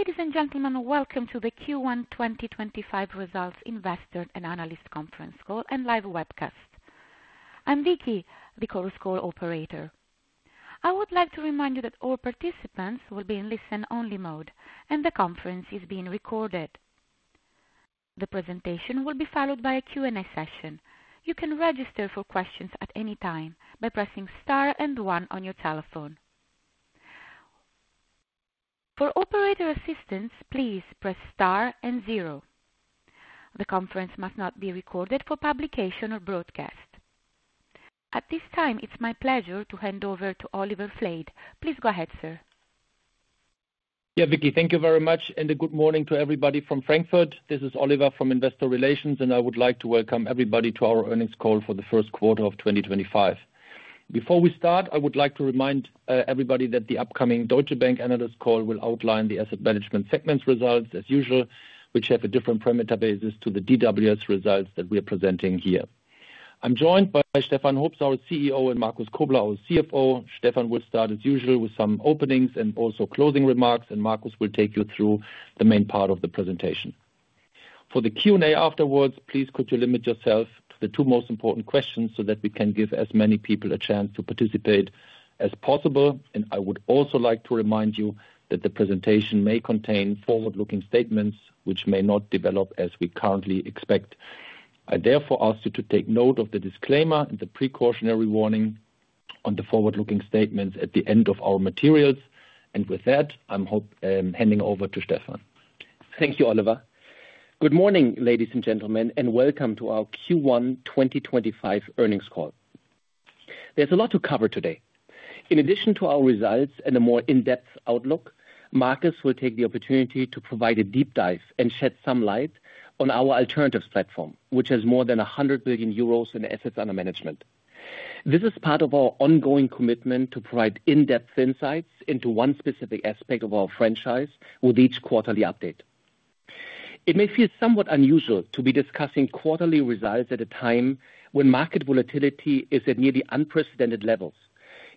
Ladies and gentlemen, welcome to the Q1 2025 results investor and analyst conference call and live webcast. I'm Vicky, the call's call operator. I would like to remind you that all participants will be in listen-only mode, and the conference is being recorded. The presentation will be followed by a Q&A session. You can register for questions at any time by pressing star and one on your telephone. For operator assistance, please press star and zero. The conference must not be recorded for publication or broadcast. At this time, it's my pleasure to hand over to Oliver Flade. Please go ahead, sir. Yeah, Vicky, thank you very much, and good morning to everybody from Frankfurt. This is Oliver from Investor Relations, and I would like to welcome everybody to our earnings call for the first quarter of 2025. Before we start, I would like to remind everybody that the upcoming Deutsche Bank analyst call will outline the asset management segment's results, as usual, which have a different parameter basis to the DWS results that we are presenting here. I'm joined by Stefan Hoops, our CEO, and Markus Kobler, our CFO. Stefan will start, as usual, with some openings and also closing remarks, and Markus will take you through the main part of the presentation. For the Q&A afterwards, please could you limit yourself to the two most important questions so that we can give as many people a chance to participate as possible. I would also like to remind you that the presentation may contain forward-looking statements which may not develop as we currently expect. I therefore ask you to take note of the disclaimer and the precautionary warning on the forward-looking statements at the end of our materials. With that, I'm handing over to Stefan. Thank you, Oliver. Good morning, ladies and gentlemen, and welcome to our Q1 2025 earnings call. There is a lot to cover today. In addition to our results and a more in-depth outlook, Markus will take the opportunity to provide a deep dive and shed some light on our alternatives platform, which has more than 100 billion euros in assets under management. This is part of our ongoing commitment to provide in-depth insights into one specific aspect of our franchise with each quarterly update. It may feel somewhat unusual to be discussing quarterly results at a time when market volatility is at nearly unprecedented levels,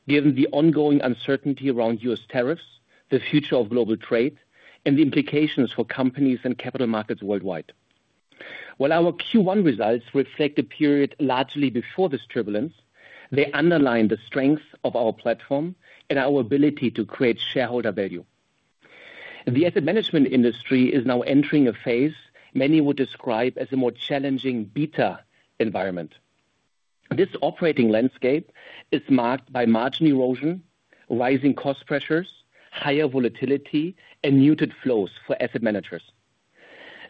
given the ongoing uncertainty around U.S. tariffs, the future of global trade, and the implications for companies and capital markets worldwide. While our Q1 results reflect a period largely before this turbulence, they underline the strength of our platform and our ability to create shareholder value. The asset management industry is now entering a phase many would describe as a more challenging beta environment. This operating landscape is marked by margin erosion, rising cost pressures, higher volatility, and muted flows for asset managers.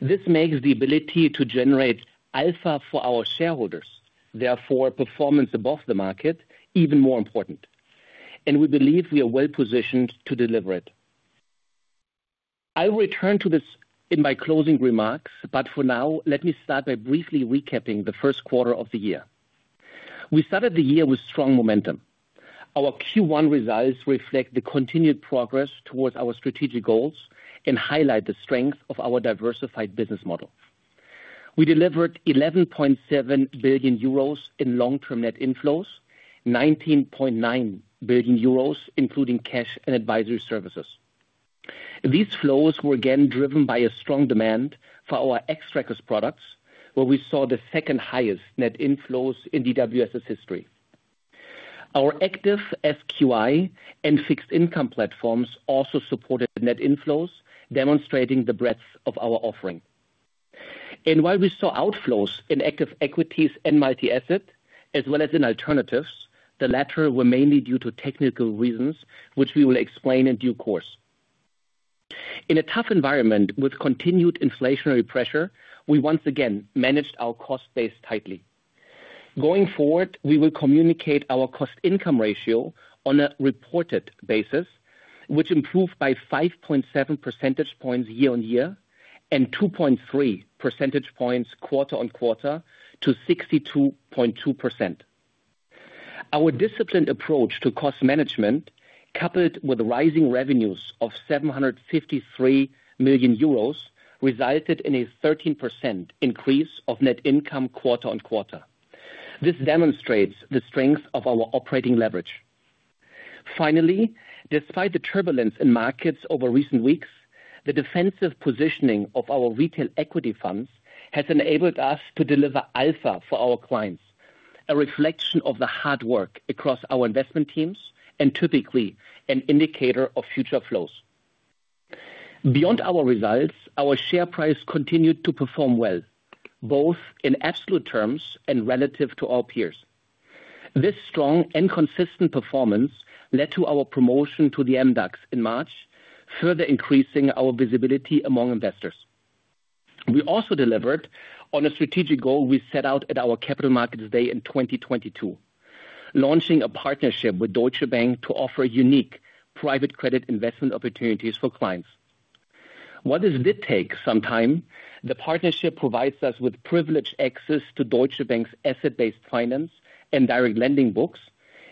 This makes the ability to generate alpha for our shareholders, therefore performance above the market, even more important. We believe we are well positioned to deliver it. I will return to this in my closing remarks, but for now, let me start by briefly recapping the first quarter of the year. We started the year with strong momentum. Our Q1 results reflect the continued progress towards our strategic goals and highlight the strength of our diversified business model. We delivered 11.7 billion euros in long-term net inflows, 19.9 billion euros, including cash and advisory services. These flows were again driven by a strong demand for our Xtrackers products, where we saw the second highest net inflows in DWS's history. Our active SQI and fixed income platforms also supported net inflows, demonstrating the breadth of our offering. While we saw outflows in active equities and multi-assets, as well as in alternatives, the latter were mainly due to technical reasons, which we will explain in due course. In a tough environment with continued inflationary pressure, we once again managed our cost base tightly. Going forward, we will communicate our cost-income ratio on a reported basis, which improved by 5.7 percentage points year-on-year and 2.3 percentage points quarter-on-quarter to 62.2%. Our disciplined approach to cost management, coupled with rising revenues of 753 million euros, resulted in a 13% increase of net income quarter-on-quarter. This demonstrates the strength of our operating leverage. Finally, despite the turbulence in markets over recent weeks, the defensive positioning of our retail equity funds has enabled us to deliver alpha for our clients, a reflection of the hard work across our investment teams and typically an indicator of future flows. Beyond our results, our share price continued to perform well, both in absolute terms and relative to our peers. This strong and consistent performance led to our promotion to the MDAX in March, further increasing our visibility among investors. We also delivered on a strategic goal we set out at our Capital Markets Day in 2022, launching a partnership with Deutsche Bank to offer unique private credit investment opportunities for clients. While this did take some time, the partnership provides us with privileged access to Deutsche Bank's asset-based finance and direct lending books,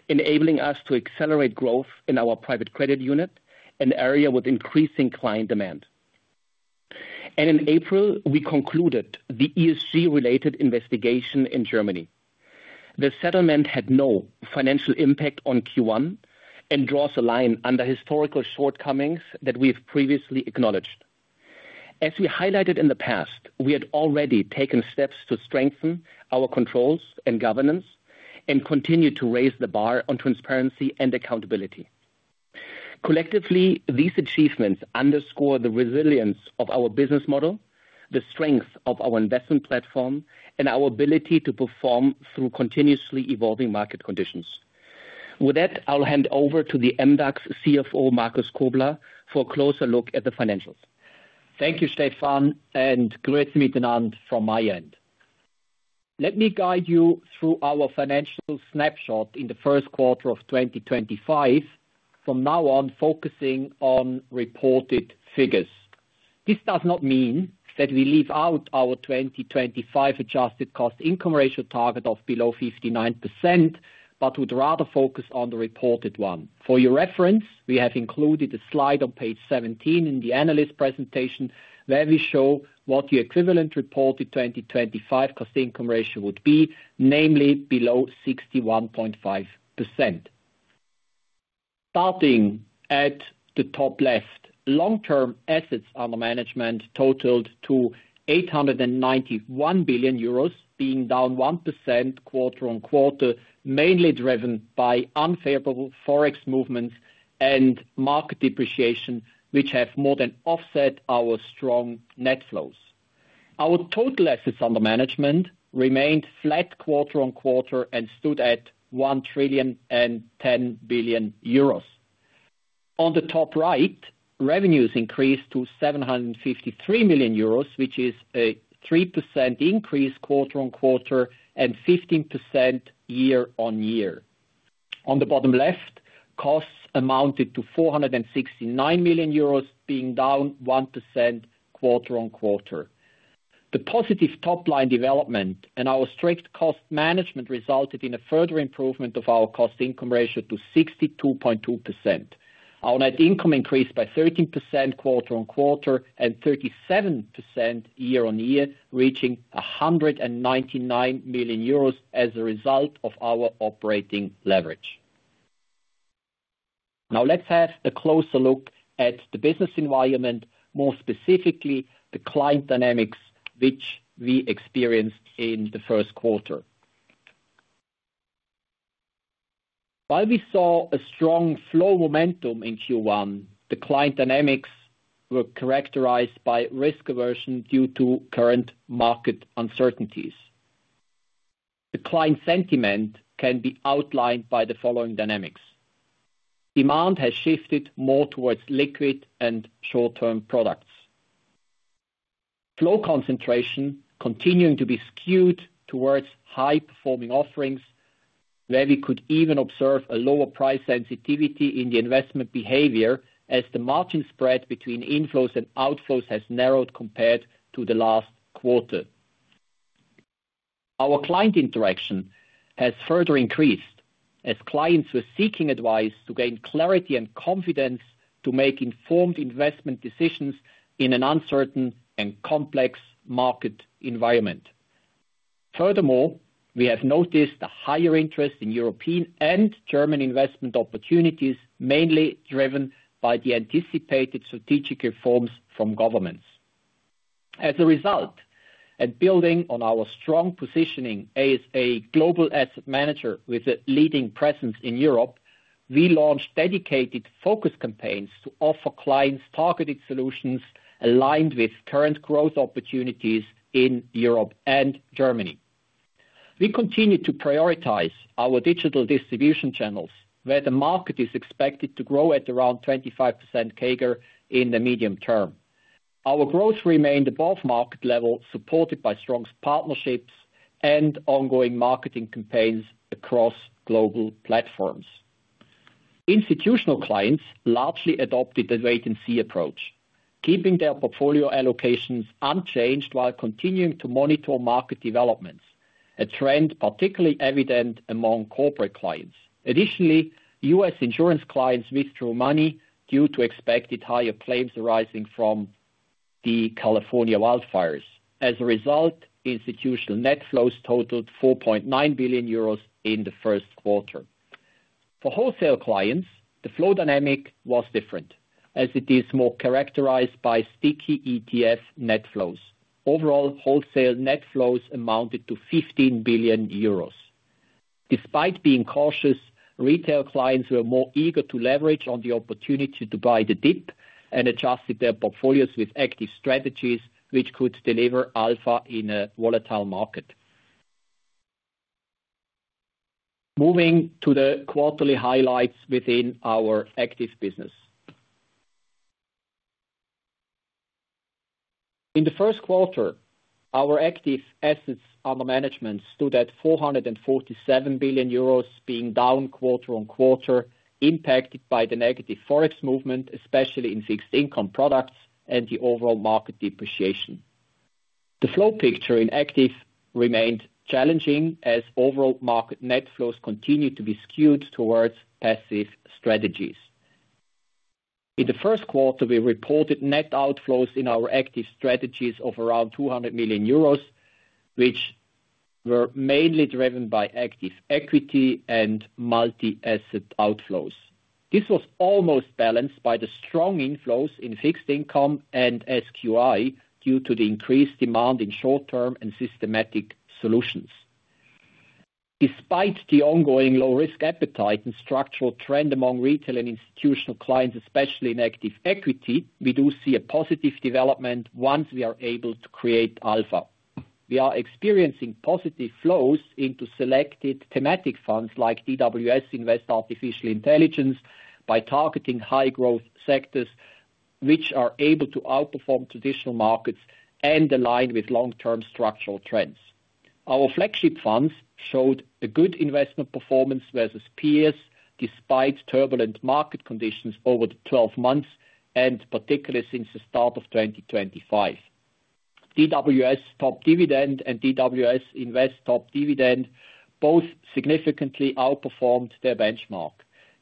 enabling us to accelerate growth in our private credit unit, an area with increasing client demand. In April, we concluded the ESG-related investigation in Germany. The settlement had no financial impact on Q1 and draws a line under historical shortcomings that we have previously acknowledged. As we highlighted in the past, we had already taken steps to strengthen our controls and governance and continue to raise the bar on transparency and accountability. Collectively, these achievements underscore the resilience of our business model, the strength of our investment platform, and our ability to perform through continuously evolving market conditions. With that, I'll hand over to the MDAX CFO, Markus Kobler, for a closer look at the financials. Thank you, Stefan, and great to meet Anand from my end. Let me guide you through our financial snapshot in the first quarter of 2025, from now on focusing on reported figures. This does not mean that we leave out our 2025 adjusted cost-income ratio target of below 59%, but would rather focus on the reported one. For your reference, we have included a slide on page 17 in the analyst presentation where we show what the equivalent reported 2025 cost-income ratio would be, namely below 61.5%. Starting at the top left, long-term assets under management totaled to 891 billion euros, being down 1% quarter-on-quarter, mainly driven by unfavorable forex movements and market depreciation, which have more than offset our strong net flows. Our total assets under management remained flat quarter-on-quarter and stood at 1 trillion and 10 billion. On the top right, revenues increased to 753 million euros, which is a 3% increase quarter-on-quarter and 15% year-on-year. On the bottom left, costs amounted to 469 million euros, being down 1% quarter-on-quarter. The positive top-line development and our strict cost management resulted in a further improvement of our cost-income ratio to 62.2%. Our net income increased by 13% quarter-on-quarter and 37% year-on-year, reaching 199 million euros as a result of our operating leverage. Now, let's have a closer look at the business environment, more specifically the client dynamics which we experienced in the first quarter. While we saw a strong flow momentum in Q1, the client dynamics were characterized by risk aversion due to current market uncertainties. The client sentiment can be outlined by the following dynamics. Demand has shifted more towards liquid and short-term products. Flow concentration continuing to be skewed towards high-performing offerings, where we could even observe a lower price sensitivity in the investment behavior as the margin spread between inflows and outflows has narrowed compared to the last quarter. Our client interaction has further increased as clients were seeking advice to gain clarity and confidence to make informed investment decisions in an uncertain and complex market environment. Furthermore, we have noticed a higher interest in European and German investment opportunities, mainly driven by the anticipated strategic reforms from governments. As a result, and building on our strong positioning as a global asset manager with a leading presence in Europe, we launched dedicated focus campaigns to offer clients targeted solutions aligned with current growth opportunities in Europe and Germany. We continue to prioritize our digital distribution channels, where the market is expected to grow at around 25% CAGR in the medium term. Our growth remained above market level, supported by strong partnerships and ongoing marketing campaigns across global platforms. Institutional clients largely adopted the wait-and-see approach, keeping their portfolio allocations unchanged while continuing to monitor market developments, a trend particularly evident among corporate clients. Additionally, U.S. insurance clients withdrew money due to expected higher claims arising from the California wildfires. As a result, institutional net flows totaled 4.9 billion euros in the first quarter. For wholesale clients, the flow dynamic was different, as it is more characterized by sticky ETF net flows. Overall, wholesale net flows amounted to 15 billion euros. Despite being cautious, retail clients were more eager to leverage on the opportunity to buy the dip and adjusted their portfolios with active strategies, which could deliver alpha in a volatile market. Moving to the quarterly highlights within our active business. In the first quarter, our active assets under management stood at 447 billion euros, being down quarter-on-quarter, impacted by the negative forex movement, especially in fixed income products and the overall market depreciation. The flow picture in active remained challenging as overall market net flows continued to be skewed towards passive strategies. In the first quarter, we reported net outflows in our active strategies of around 200 million euros, which were mainly driven by active equity and multi-asset outflows. This was almost balanced by the strong inflows in fixed income and SQI due to the increased demand in short-term and systematic solutions. Despite the ongoing low-risk appetite and structural trend among retail and institutional clients, especially in active equity, we do see a positive development once we are able to create alpha. We are experiencing positive flows into selected thematic funds like DWS Invest Artificial Intelligence by targeting high-growth sectors, which are able to outperform traditional markets and align with long-term structural trends. Our flagship funds showed a good investment performance versus peers despite turbulent market conditions over the 12 months and particularly since the start of 2025. DWS Top Dividend and DWS Invest Top Dividend both significantly outperformed their benchmark.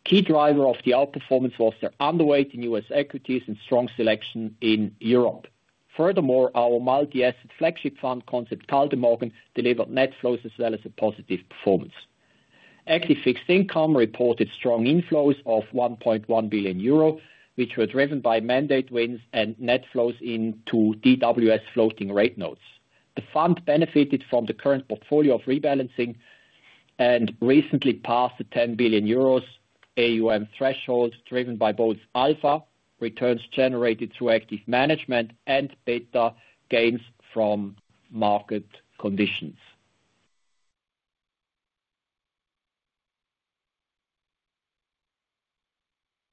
Key driver of the outperformance was their underweight in U.S. equities and strong selection in Europe. Furthermore, our multi-asset flagship fund, Concept Kaldemorgen, delivered net flows as well as a positive performance. Active fixed income reported strong inflows of 1.1 billion euro, which were driven by mandate wins and net flows into DWS floating rate notes. The fund benefited from the current portfolio of rebalancing and recently passed the 10 billion euros AUM threshold, driven by both alpha returns generated through active management and beta gains from market conditions.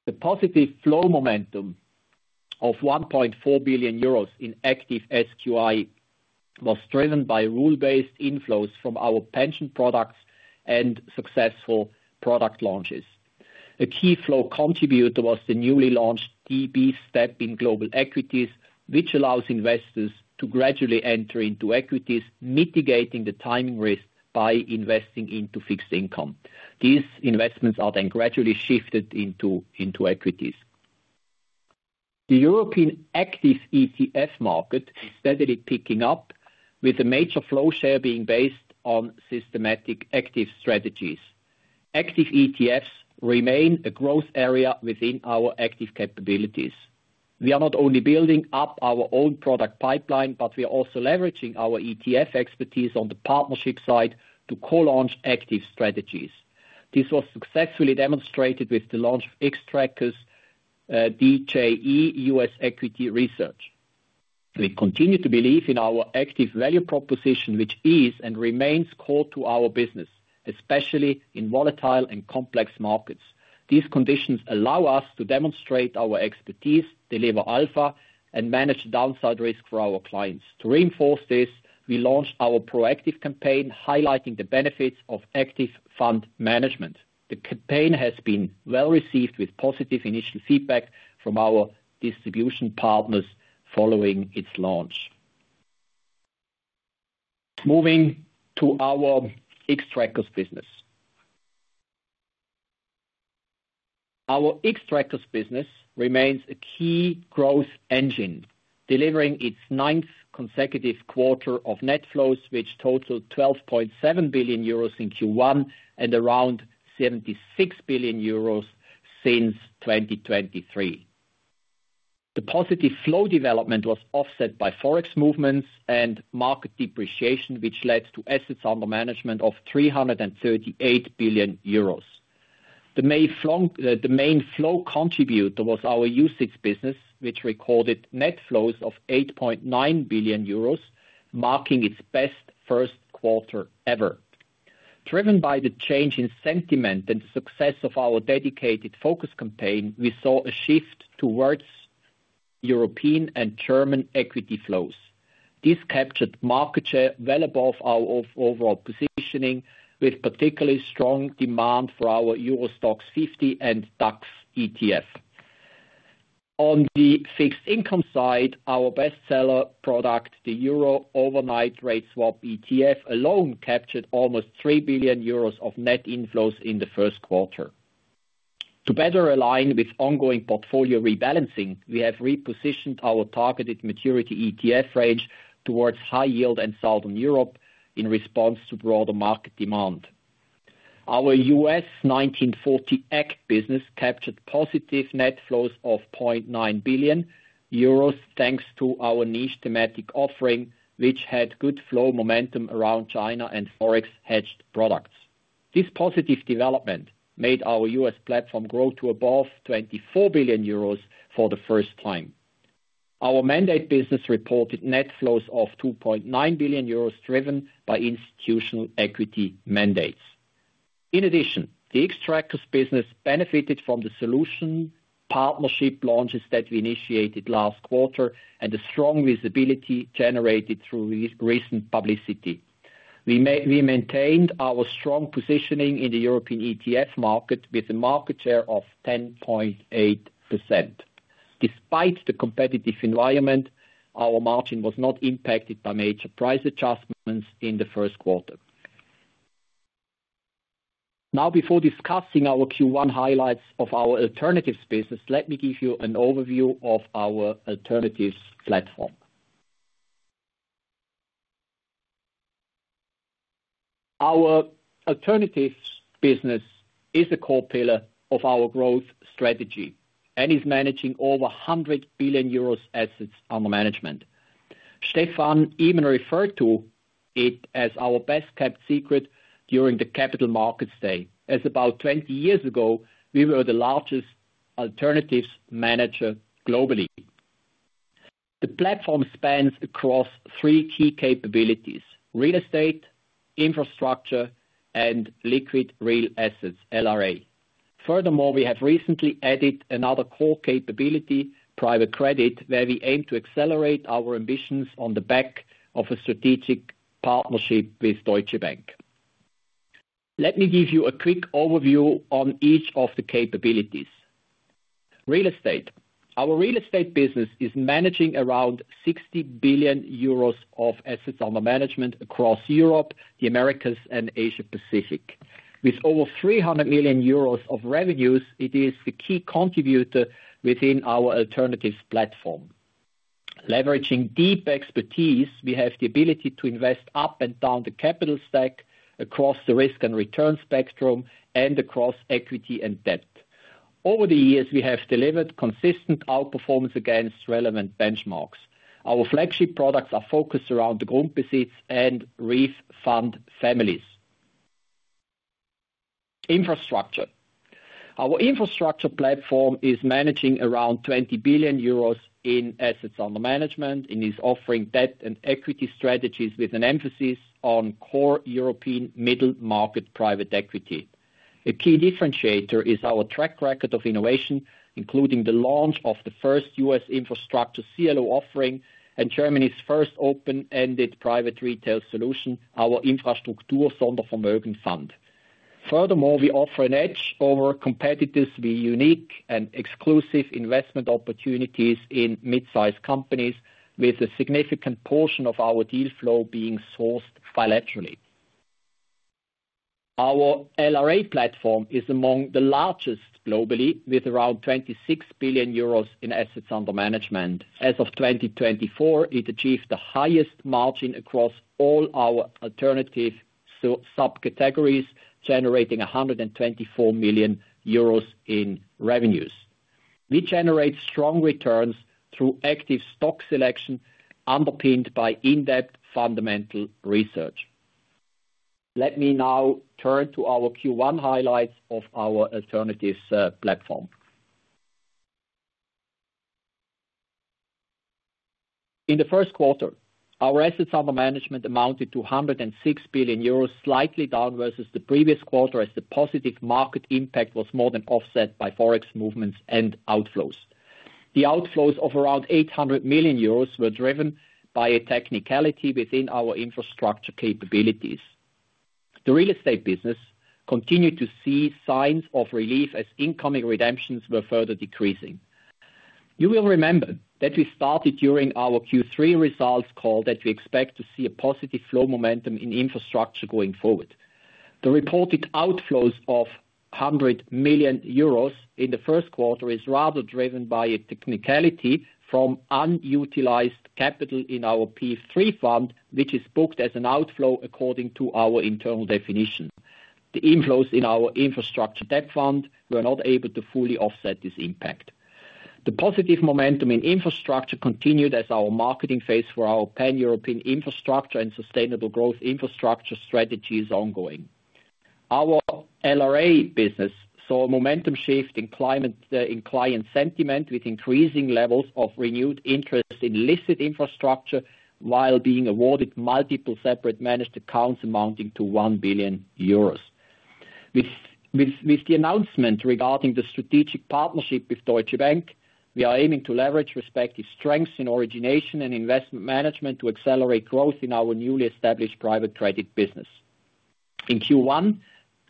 The positive flow momentum of 1.4 billion euros in active SQI was driven by rule-based inflows from our pension products and successful product launches. A key flow contributor was the newly launched DB Step in global equities, which allows investors to gradually enter into equities, mitigating the timing risk by investing into fixed income. These investments are then gradually shifted into equities. The European active ETF market is steadily picking up, with a major flow share being based on systematic active strategies. Active ETFs remain a growth area within our active capabilities. We are not only building up our own product pipeline, but we are also leveraging our ETF expertise on the partnership side to co-launch active strategies. This was successfully demonstrated with the launch of Xtrackers DJE U.S. Equity Research. We continue to believe in our active value proposition, which is and remains core to our business, especially in volatile and complex markets. These conditions allow us to demonstrate our expertise, deliver alpha, and manage downside risk for our clients. To reinforce this, we launched our proactive campaign highlighting the benefits of active fund management. The campaign has been well received with positive initial feedback from our distribution partners following its launch. Moving to our Xtrackers business. Our Xtrackers business remains a key growth engine, delivering its ninth consecutive quarter of net flows, which totaled 12.7 billion euros in Q1 and around 76 billion euros since 2023. The positive flow development was offset by forex movements and market depreciation, which led to assets under management of 338 billion euros. The main flow contributor was our UCITS business, which recorded net flows of 8.9 billion euros, marking its best first quarter ever. Driven by the change in sentiment and the success of our dedicated focus campaign, we saw a shift towards European and German equity flows. This captured market share well above our overall positioning, with particularly strong demand for our Euro Stoxx 50 and DAX ETF. On the fixed income side, our bestseller product, the Euro Overnight Trade Swap ETF alone, captured almost 3 billion euros of net inflows in the first quarter. To better align with ongoing portfolio rebalancing, we have repositioned our targeted maturity ETF range towards high yield and southern Europe in response to broader market demand. Our US 1940 Act business captured positive net flows of 0.9 billion euros, thanks to our niche thematic offering, which had good flow momentum around China and forex hedged products. This positive development made our US platform grow to above 24 billion euros for the first time. Our mandate business reported net flows of 2.9 billion euros, driven by institutional equity mandates. In addition, the Xtrackers business benefited from the solution partnership launches that we initiated last quarter and the strong visibility generated through recent publicity. We maintained our strong positioning in the European ETF market with a market share of 10.8%. Despite the competitive environment, our margin was not impacted by major price adjustments in the first quarter. Now, before discussing our Q1 highlights of our alternatives business, let me give you an overview of our alternatives platform. Our alternatives business is a core pillar of our growth strategy and is managing over 100 billion euros assets under management. Stefan even referred to it as our best kept secret during the capital markets day, as about 20 years ago, we were the largest alternatives manager globally. The platform spans across three key capabilities: real estate, infrastructure, and liquid real assets (LRA). Furthermore, we have recently added another core capability, private credit, where we aim to accelerate our ambitions on the back of a strategic partnership with Deutsche Bank. Let me give you a quick overview on each of the capabilities. Real estate. Our real estate business is managing around 60 billion euros of assets under management across Europe, the Americas, and Asia-Pacific. With over 300 million euros of revenues, it is the key contributor within our alternatives platform. Leveraging deep expertise, we have the ability to invest up and down the capital stack across the risk and return spectrum and across equity and debt. Over the years, we have delivered consistent outperformance against relevant benchmarks. Our flagship products are focused around the Grundbesitz and REIF Fund families. Infrastructure. Our infrastructure platform is managing around 20 billion euros in assets under management and is offering debt and equity strategies with an emphasis on core European middle market private equity. A key differentiator is our track record of innovation, including the launch of the first U.S. infrastructure CLO offering and Germany's first open-ended private retail solution, our Infrastruktur Sondervermögen Fund. Furthermore, we offer an edge over competitors with unique and exclusive investment opportunities in mid-sized companies, with a significant portion of our deal flow being sourced bilaterally. Our LRA platform is among the largest globally, with around 26 billion euros in assets under management. As of 2024, it achieved the highest margin across all our alternative subcategories, generating 124 million euros in revenues. We generate strong returns through active stock selection underpinned by in-depth fundamental research. Let me now turn to our Q1 highlights of our alternatives platform. In the first quarter, our assets under management amounted to 106 billion euros, slightly down versus the previous quarter, as the positive market impact was more than offset by forex movements and outflows. The outflows of around 800 million euros were driven by a technicality within our infrastructure capabilities. The real estate business continued to see signs of relief as incoming redemptions were further decreasing. You will remember that we started during our Q3 results call that we expect to see a positive flow momentum in infrastructure going forward. The reported outflows of 100 million euros in the first quarter is rather driven by a technicality from unutilized capital in our P3 fund, which is booked as an outflow according to our internal definition. The inflows in our infrastructure debt fund were not able to fully offset this impact. The positive momentum in infrastructure continued as our marketing phase for our pan-European infrastructure and sustainable growth infrastructure strategy is ongoing. Our LRA business saw a momentum shift in client sentiment with increasing levels of renewed interest in listed infrastructure while being awarded multiple separate managed accounts amounting to 1 billion euros. With the announcement regarding the strategic partnership with Deutsche Bank, we are aiming to leverage respective strengths in origination and investment management to accelerate growth in our newly established private credit business. In Q1,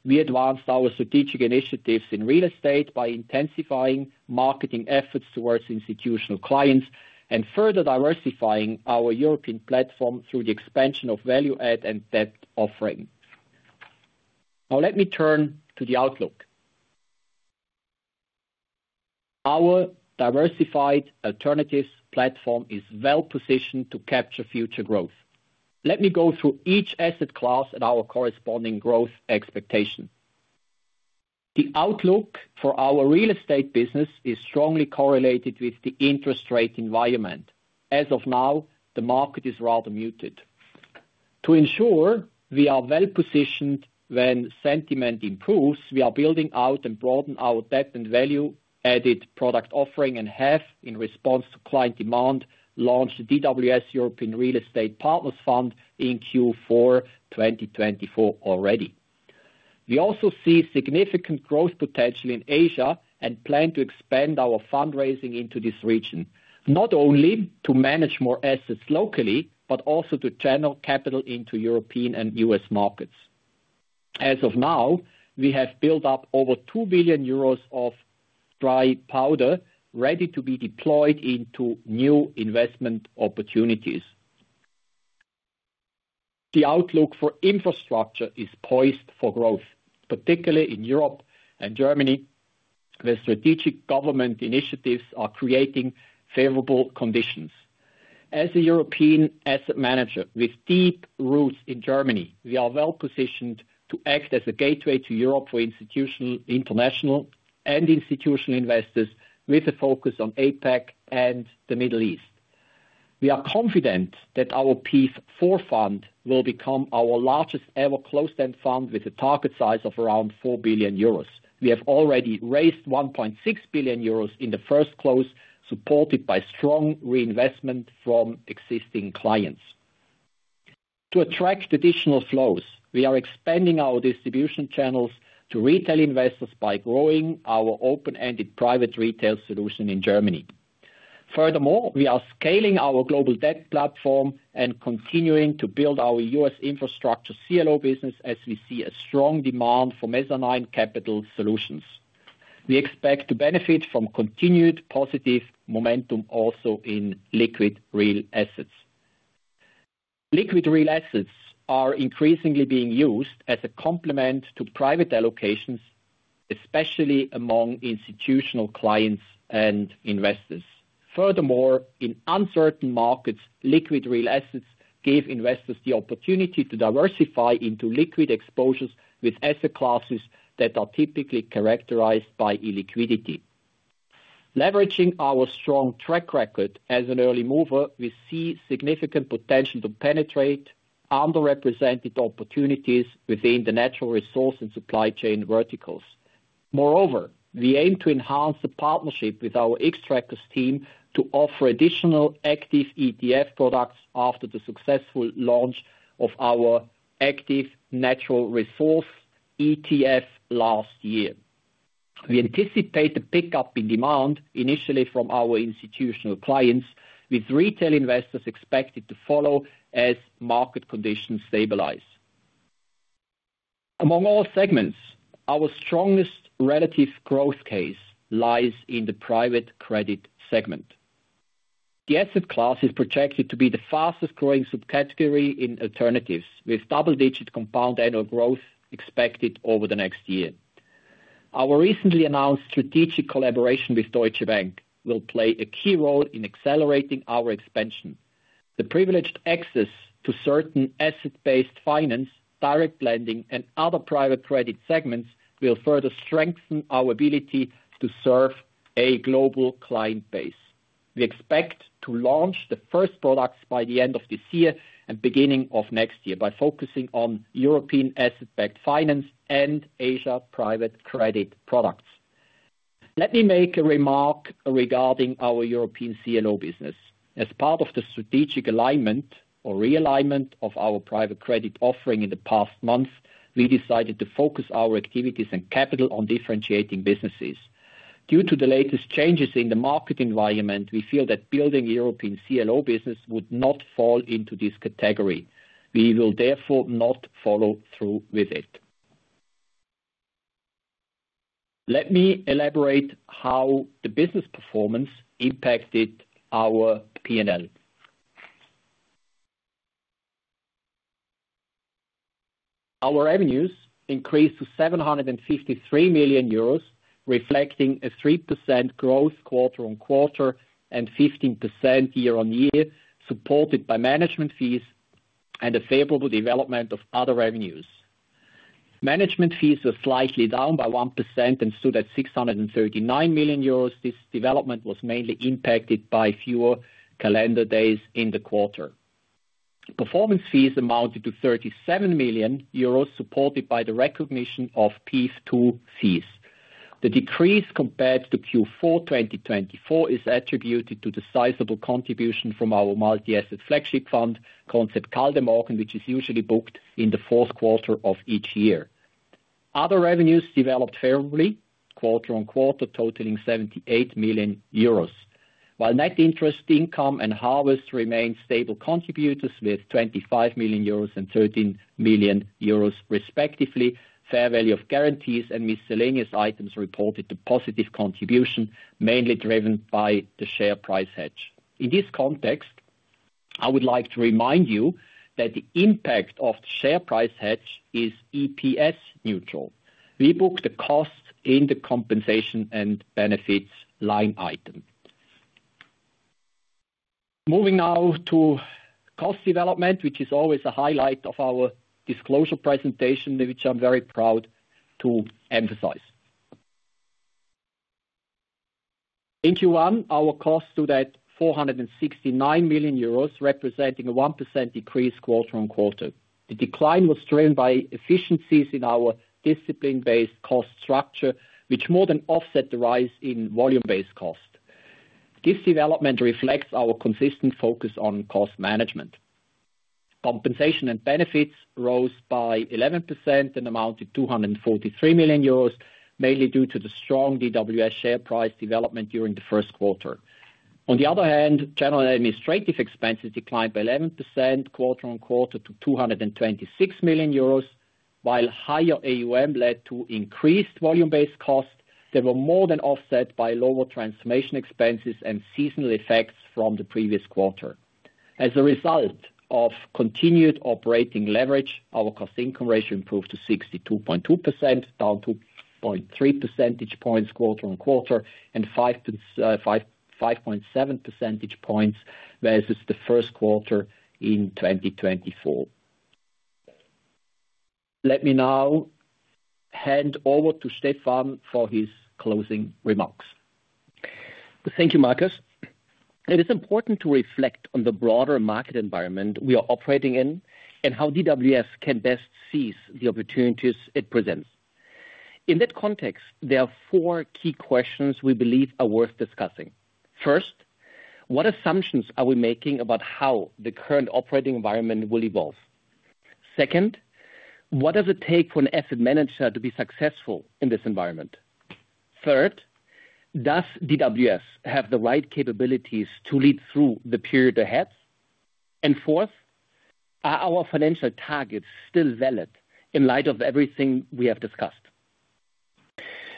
we advanced our strategic initiatives in real estate by intensifying marketing efforts towards institutional clients and further diversifying our European platform through the expansion of value-add and debt offering. Now, let me turn to the outlook. Our diversified alternatives platform is well positioned to capture future growth. Let me go through each asset class and our corresponding growth expectation. The outlook for our real estate business is strongly correlated with the interest rate environment. As of now, the market is rather muted. To ensure we are well positioned when sentiment improves, we are building out and broadening our debt and value-added product offering and have, in response to client demand, launched the DWS European Real Estate Partners Fund in Q4 2024 already. We also see significant growth potential in Asia and plan to expand our fundraising into this region, not only to manage more assets locally, but also to channel capital into European and U.S. markets. As of now, we have built up over 2 billion euros of dry powder ready to be deployed into new investment opportunities. The outlook for infrastructure is poised for growth, particularly in Europe and Germany, where strategic government initiatives are creating favorable conditions. As a European asset manager with deep roots in Germany, we are well positioned to act as a gateway to Europe for international and institutional investors, with a focus on APAC and the Middle East. We are confident that our P4 fund will become our largest ever closed-end fund, with a target size of around 4 billion euros. We have already raised 1.6 billion euros in the first close, supported by strong reinvestment from existing clients. To attract additional flows, we are expanding our distribution channels to retail investors by growing our open-ended private retail solution in Germany. Furthermore, we are scaling our global debt platform and continuing to build our US infrastructure CLO business as we see a strong demand for Mezzanine Capital solutions. We expect to benefit from continued positive momentum also in liquid real assets. Liquid real assets are increasingly being used as a complement to private allocations, especially among institutional clients and investors. Furthermore, in uncertain markets, liquid real assets give investors the opportunity to diversify into liquid exposures with asset classes that are typically characterized by illiquidity. Leveraging our strong track record as an early mover, we see significant potential to penetrate underrepresented opportunities within the natural resource and supply chain verticals. Moreover, we aim to enhance the partnership with our Xtrackers team to offer additional active ETF products after the successful launch of our active natural resource ETF last year. We anticipate a pickup in demand initially from our institutional clients, with retail investors expected to follow as market conditions stabilize. Among all segments, our strongest relative growth case lies in the private credit segment. The asset class is projected to be the fastest growing subcategory in alternatives, with double-digit compound annual growth expected over the next year. Our recently announced strategic collaboration with Deutsche Bank will play a key role in accelerating our expansion. The privileged access to certain asset-based finance, direct lending, and other private credit segments will further strengthen our ability to serve a global client base. We expect to launch the first products by the end of this year and beginning of next year by focusing on European asset-backed finance and Asia private credit products. Let me make a remark regarding our European CLO business. As part of the strategic alignment or realignment of our private credit offering in the past month, we decided to focus our activities and capital on differentiating businesses. Due to the latest changes in the market environment, we feel that building a European CLO business would not fall into this category. We will therefore not follow through with it. Let me elaborate how the business performance impacted our P&L. Our revenues increased to 753 million euros, reflecting a 3% growth quarter-on-quarter and 15% year-on-year, supported by management fees and a favorable development of other revenues. Management fees were slightly down by 1% and stood at 639 million euros. This development was mainly impacted by fewer calendar days in the quarter. Performance fees amounted to 37 million euros, supported by the recognition of P2 fees. The decrease compared to Q4 2024 is attributed to the sizable contribution from our multi-asset flagship fund, Concept Kaldemorgen, which is usually booked in the fourth quarter of each year. Other revenues developed favorably, quarter-on-quarter, totaling 78 million euros. While net interest income and Harvest remained stable contributors with 25 million euros and 13 million euros, respectively, fair value of guarantees and miscellaneous items reported a positive contribution, mainly driven by the share price hedge. In this context, I would like to remind you that the impact of the share price hedge is EPS neutral. We booked the costs in the compensation and benefits line item. Moving now to cost development, which is always a highlight of our disclosure presentation, which I'm very proud to emphasize. In Q1, our costs stood at 469 million euros, representing a 1% decrease quarter-on-quarter. The decline was driven by efficiencies in our discipline-based cost structure, which more than offset the rise in volume-based cost. This development reflects our consistent focus on cost management. Compensation and benefits rose by 11% and amounted to 243 million euros, mainly due to the strong DWS share price development during the first quarter. On the other hand, general administrative expenses declined by 11% quarter-on-quarter to 226 million euros, while higher AUM led to increased volume-based costs that were more than offset by lower transformation expenses and seasonal effects from the previous quarter. As a result of continued operating leverage, our cost-income ratio improved to 62.2%, down 2.3 percentage points quarter-on-quarter and 5.7 percentage points versus the first quarter in 2024. Let me now hand over to Stefan for his closing remarks. Thank you, Markus. It is important to reflect on the broader market environment we are operating in and how DWS can best seize the opportunities it presents. In that context, there are four key questions we believe are worth discussing. First, what assumptions are we making about how the current operating environment will evolve? Second, what does it take for an asset manager to be successful in this environment? Third, does DWS have the right capabilities to lead through the period ahead? Fourth, are our financial targets still valid in light of everything we have discussed?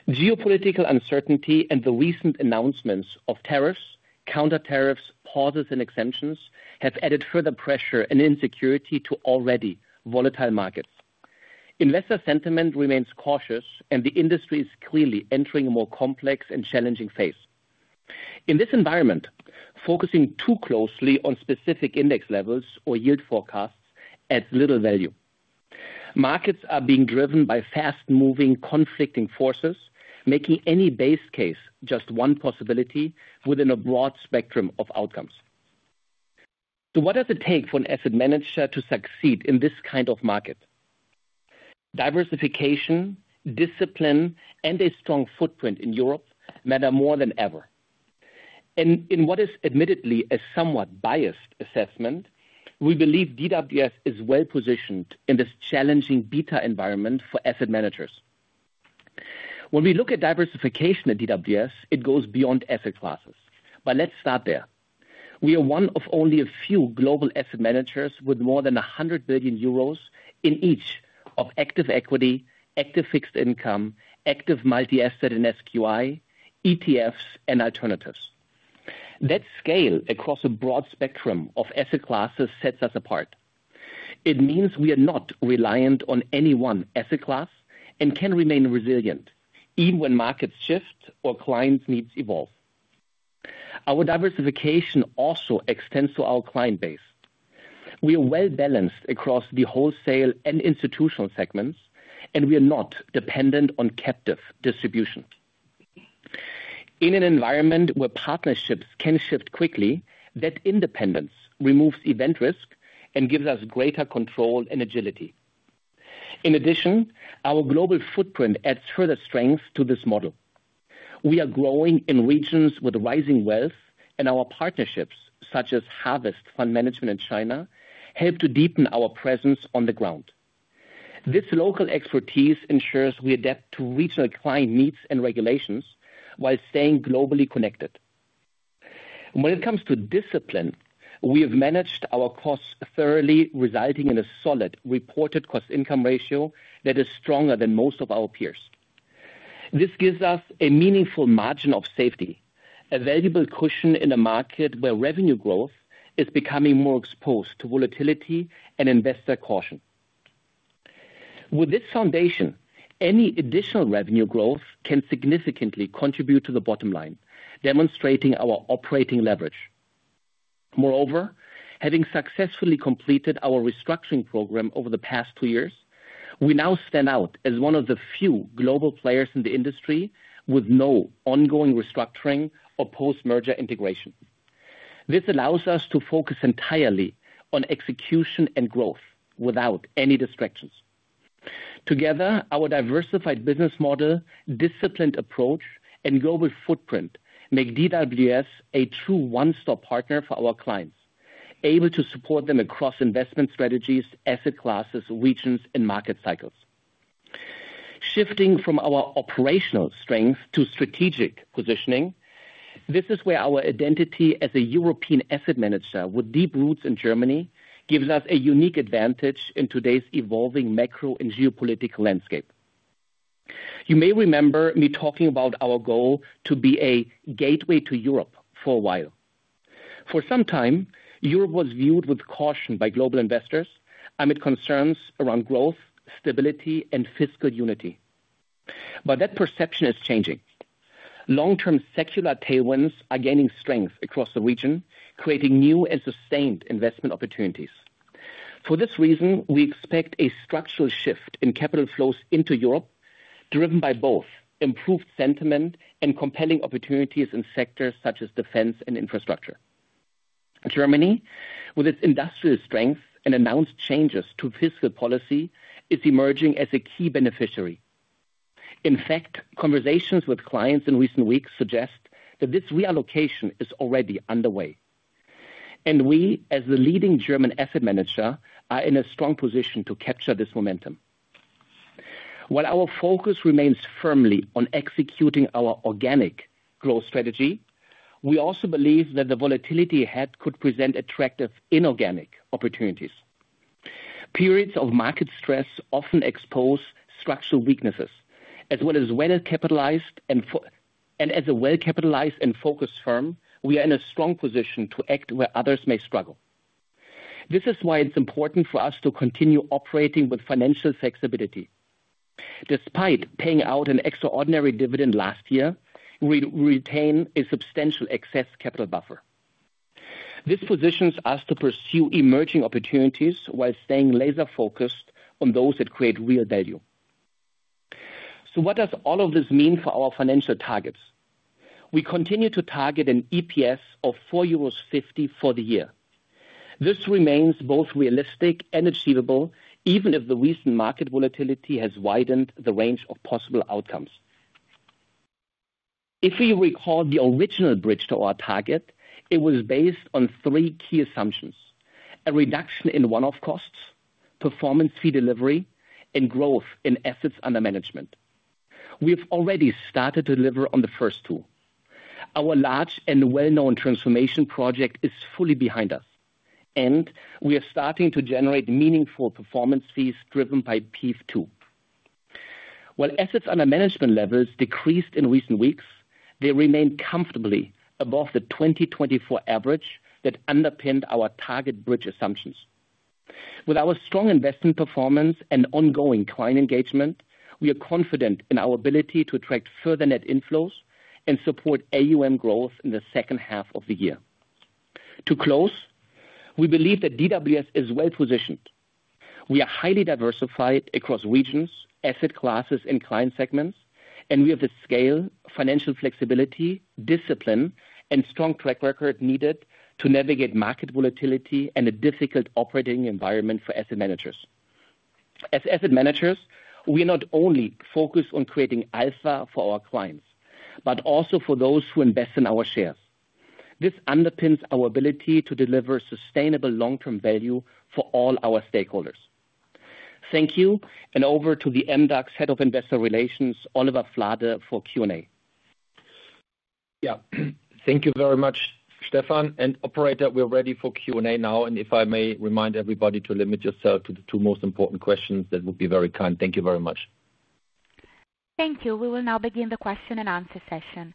Geopolitical uncertainty and the recent announcements of tariffs, counter-tariffs, pauses, and exemptions have added further pressure and insecurity to already volatile markets. Investor sentiment remains cautious, and the industry is clearly entering a more complex and challenging phase. In this environment, focusing too closely on specific index levels or yield forecasts adds little value. Markets are being driven by fast-moving, conflicting forces, making any base case just one possibility within a broad spectrum of outcomes. What does it take for an asset manager to succeed in this kind of market? Diversification, discipline, and a strong footprint in Europe matter more than ever. In what is admittedly a somewhat biased assessment, we believe DWS is well positioned in this challenging beta environment for asset managers. When we look at diversification at DWS, it goes beyond asset classes. Let's start there. We are one of only a few global asset managers with more than 100 billion euros in each of active equity, active fixed income, active multi-asset in SQI, ETFs, and alternatives. That scale across a broad spectrum of asset classes sets us apart. It means we are not reliant on any one asset class and can remain resilient even when markets shift or clients' needs evolve. Our diversification also extends to our client base. We are well balanced across the wholesale and institutional segments, and we are not dependent on captive distribution. In an environment where partnerships can shift quickly, that independence removes event risk and gives us greater control and agility. In addition, our global footprint adds further strength to this model. We are growing in regions with rising wealth, and our partnerships, such as Harvest Fund Management in China, help to deepen our presence on the ground. This local expertise ensures we adapt to regional client needs and regulations while staying globally connected. When it comes to discipline, we have managed our costs thoroughly, resulting in a solid reported cost-income ratio that is stronger than most of our peers. This gives us a meaningful margin of safety, a valuable cushion in a market where revenue growth is becoming more exposed to volatility and investor caution. With this foundation, any additional revenue growth can significantly contribute to the bottom line, demonstrating our operating leverage. Moreover, having successfully completed our restructuring program over the past two years, we now stand out as one of the few global players in the industry with no ongoing restructuring or post-merger integration. This allows us to focus entirely on execution and growth without any distractions. Together, our diversified business model, disciplined approach, and global footprint make DWS a true one-stop partner for our clients, able to support them across investment strategies, asset classes, regions, and market cycles. Shifting from our operational strength to strategic positioning, this is where our identity as a European asset manager with deep roots in Germany gives us a unique advantage in today's evolving macro and geopolitical landscape. You may remember me talking about our goal to be a gateway to Europe for a while. For some time, Europe was viewed with caution by global investors amid concerns around growth, stability, and fiscal unity. That perception is changing. Long-term secular tailwinds are gaining strength across the region, creating new and sustained investment opportunities. For this reason, we expect a structural shift in capital flows into Europe, driven by both improved sentiment and compelling opportunities in sectors such as defense and infrastructure. Germany, with its industrial strength and announced changes to fiscal policy, is emerging as a key beneficiary. In fact, conversations with clients in recent weeks suggest that this reallocation is already underway. We, as the leading German asset manager, are in a strong position to capture this momentum. While our focus remains firmly on executing our organic growth strategy, we also believe that the volatility ahead could present attractive inorganic opportunities. Periods of market stress often expose structural weaknesses, as well as well-capitalized and focused firms. We are in a strong position to act where others may struggle. This is why it's important for us to continue operating with financial flexibility. Despite paying out an extraordinary dividend last year, we retain a substantial excess capital buffer. This positions us to pursue emerging opportunities while staying laser-focused on those that create real value. What does all of this mean for our financial targets? We continue to target an EPS of 4.50 euros for the year. This remains both realistic and achievable, even if the recent market volatility has widened the range of possible outcomes. If we recall the original bridge to our target, it was based on three key assumptions: a reduction in one-off costs, performance fee delivery, and growth in assets under management. We have already started to deliver on the first two. Our large and well-known transformation project is fully behind us, and we are starting to generate meaningful performance fees driven by P2. While assets under management levels decreased in recent weeks, they remained comfortably above the 2024 average that underpinned our target bridge assumptions. With our strong investment performance and ongoing client engagement, we are confident in our ability to attract further net inflows and support AUM growth in the second half of the year. To close, we believe that DWS is well positioned. We are highly diversified across regions, asset classes, and client segments, and we have the scale, financial flexibility, discipline, and strong track record needed to navigate market volatility and a difficult operating environment for asset managers. As asset managers, we are not only focused on creating alpha for our clients, but also for those who invest in our shares. This underpins our ability to deliver sustainable long-term value for all our stakeholders. Thank you, and over to the MDAX Head of Investor Relations, Oliver Flade, for Q&A. Yeah, thank you very much, Stefan. Operator, we're ready for Q&A now. If I may remind everybody to limit yourself to the two most important questions, that would be very kind. Thank you very much. Thank you. We will now begin the question and answer session.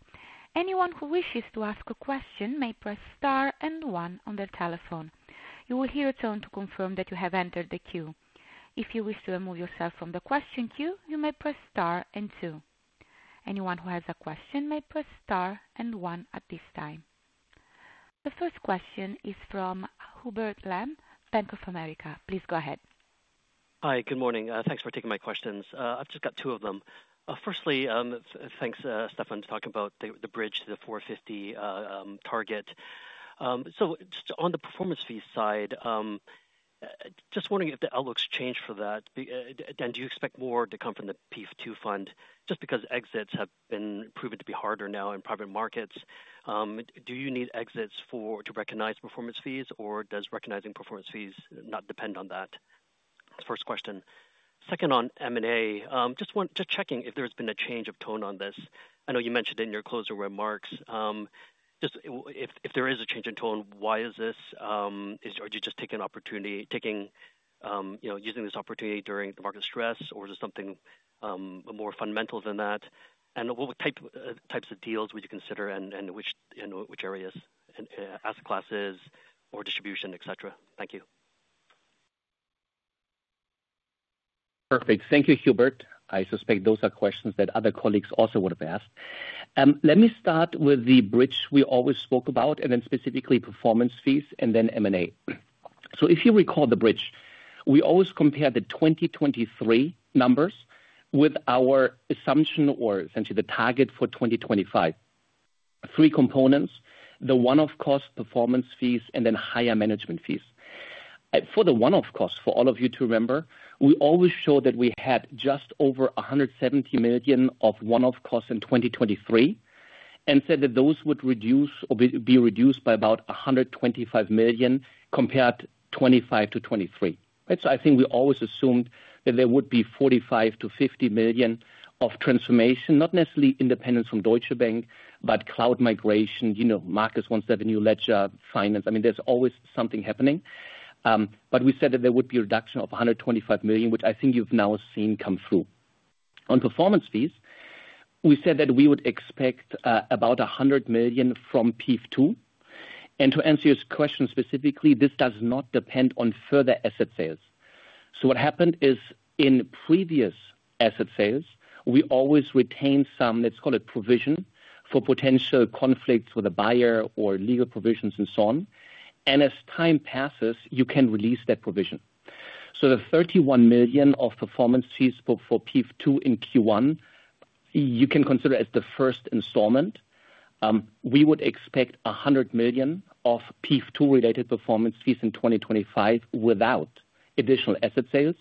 Anyone who wishes to ask a question may press star and one on their telephone. You will hear a tone to confirm that you have entered the queue. If you wish to remove yourself from the question queue, you may press star and two. Anyone who has a question may press star and one at this time. The first question is from Hubert Lam, Bank of America. Please go ahead. Hi, good morning. Thanks for taking my questions. I've just got two of them. Firstly, thanks, Stefan, to talk about the bridge to the 450 target. Just on the performance fee side, just wondering if the outlook's changed for that. Do you expect more to come from the P2 fund just because exits have been proven to be harder now in private markets? Do you need exits to recognize performance fees, or does recognizing performance fees not depend on that? That's the first question. Second on M&A, just checking if there's been a change of tone on this. I know you mentioned it in your closing remarks. If there is a change in tone, why is this? Are you just taking opportunity, using this opportunity during the market stress, or is it something more fundamental than that? What types of deals would you consider and which areas, asset classes, or distribution, etc.? Thank you. Perfect. Thank you, Hubert. I suspect those are questions that other colleagues also would have asked. Let me start with the bridge we always spoke about, and then specifically performance fees, and then M&A. If you recall the bridge, we always compare the 2023 numbers with our assumption or essentially the target for 2025. Three components: the one-off cost, performance fees, and then higher management fees. For the one-off cost, for all of you to remember, we always showed that we had just over 170 million of one-off costs in 2023 and said that those would be reduced by about 125 million compared to 2025 to 2023. I think we always assumed that there would be 45 million-50 million of transformation, not necessarily independence from Deutsche Bank, but cloud migration. Markus wants to have a new ledger finance. I mean, there's always something happening. We said that there would be a reduction of 125 million, which I think you have now seen come through. On performance fees, we said that we would expect about 100 million from P2. To answer your question specifically, this does not depend on further asset sales. What happened is in previous asset sales, we always retained some, let's call it provision, for potential conflicts with a buyer or legal provisions and so on. As time passes, you can release that provision. The 31 million of performance fees for P2 in Q1, you can consider it as the first installment. We would expect 100 million of P2-related performance fees in 2025 without additional asset sales.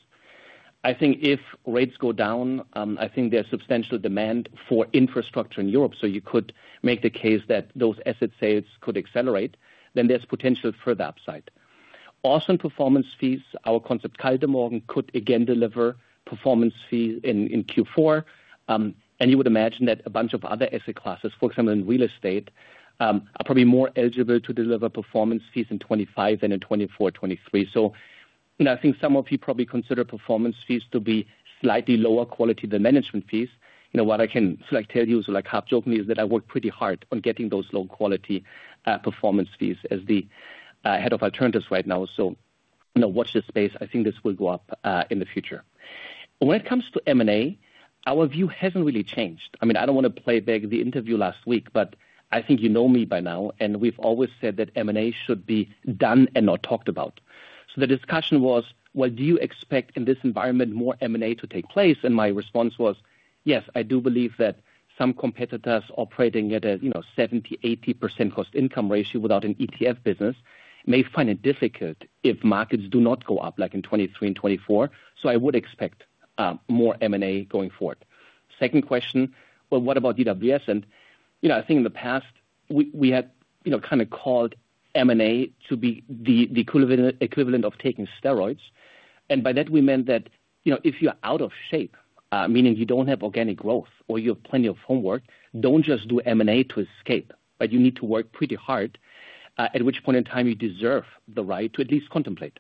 I think if rates go down, I think there is substantial demand for infrastructure in Europe. You could make the case that those asset sales could accelerate, then there's potential for further upside. Also in performance fees, our Concept Kaldemorgen could again deliver performance fees in Q4. You would imagine that a bunch of other asset classes, for example, in real estate, are probably more eligible to deliver performance fees in 2025 than in 2024, 2023. I think some of you probably consider performance fees to be slightly lower quality than management fees. What I can tell you, half-jokingly, is that I work pretty hard on getting those low-quality performance fees as the Head of Alternatives right now. Watch this space. I think this will go up in the future. When it comes to M&A, our view hasn't really changed. I mean, I do not want to play back the interview last week, but I think you know me by now, and we have always said that M&A should be done and not talked about. The discussion was, do you expect in this environment more M&A to take place? My response was, yes, I do believe that some competitors operating at a 70%-80% cost-income ratio without an ETF business may find it difficult if markets do not go up like in 2023 and 2024. I would expect more M&A going forward. Second question, what about DWS? I think in the past, we had kind of called M&A to be the equivalent of taking steroids. By that, we meant that if you're out of shape, meaning you don't have organic growth or you have plenty of homework, don't just do M&A to escape, but you need to work pretty hard, at which point in time you deserve the right to at least contemplate.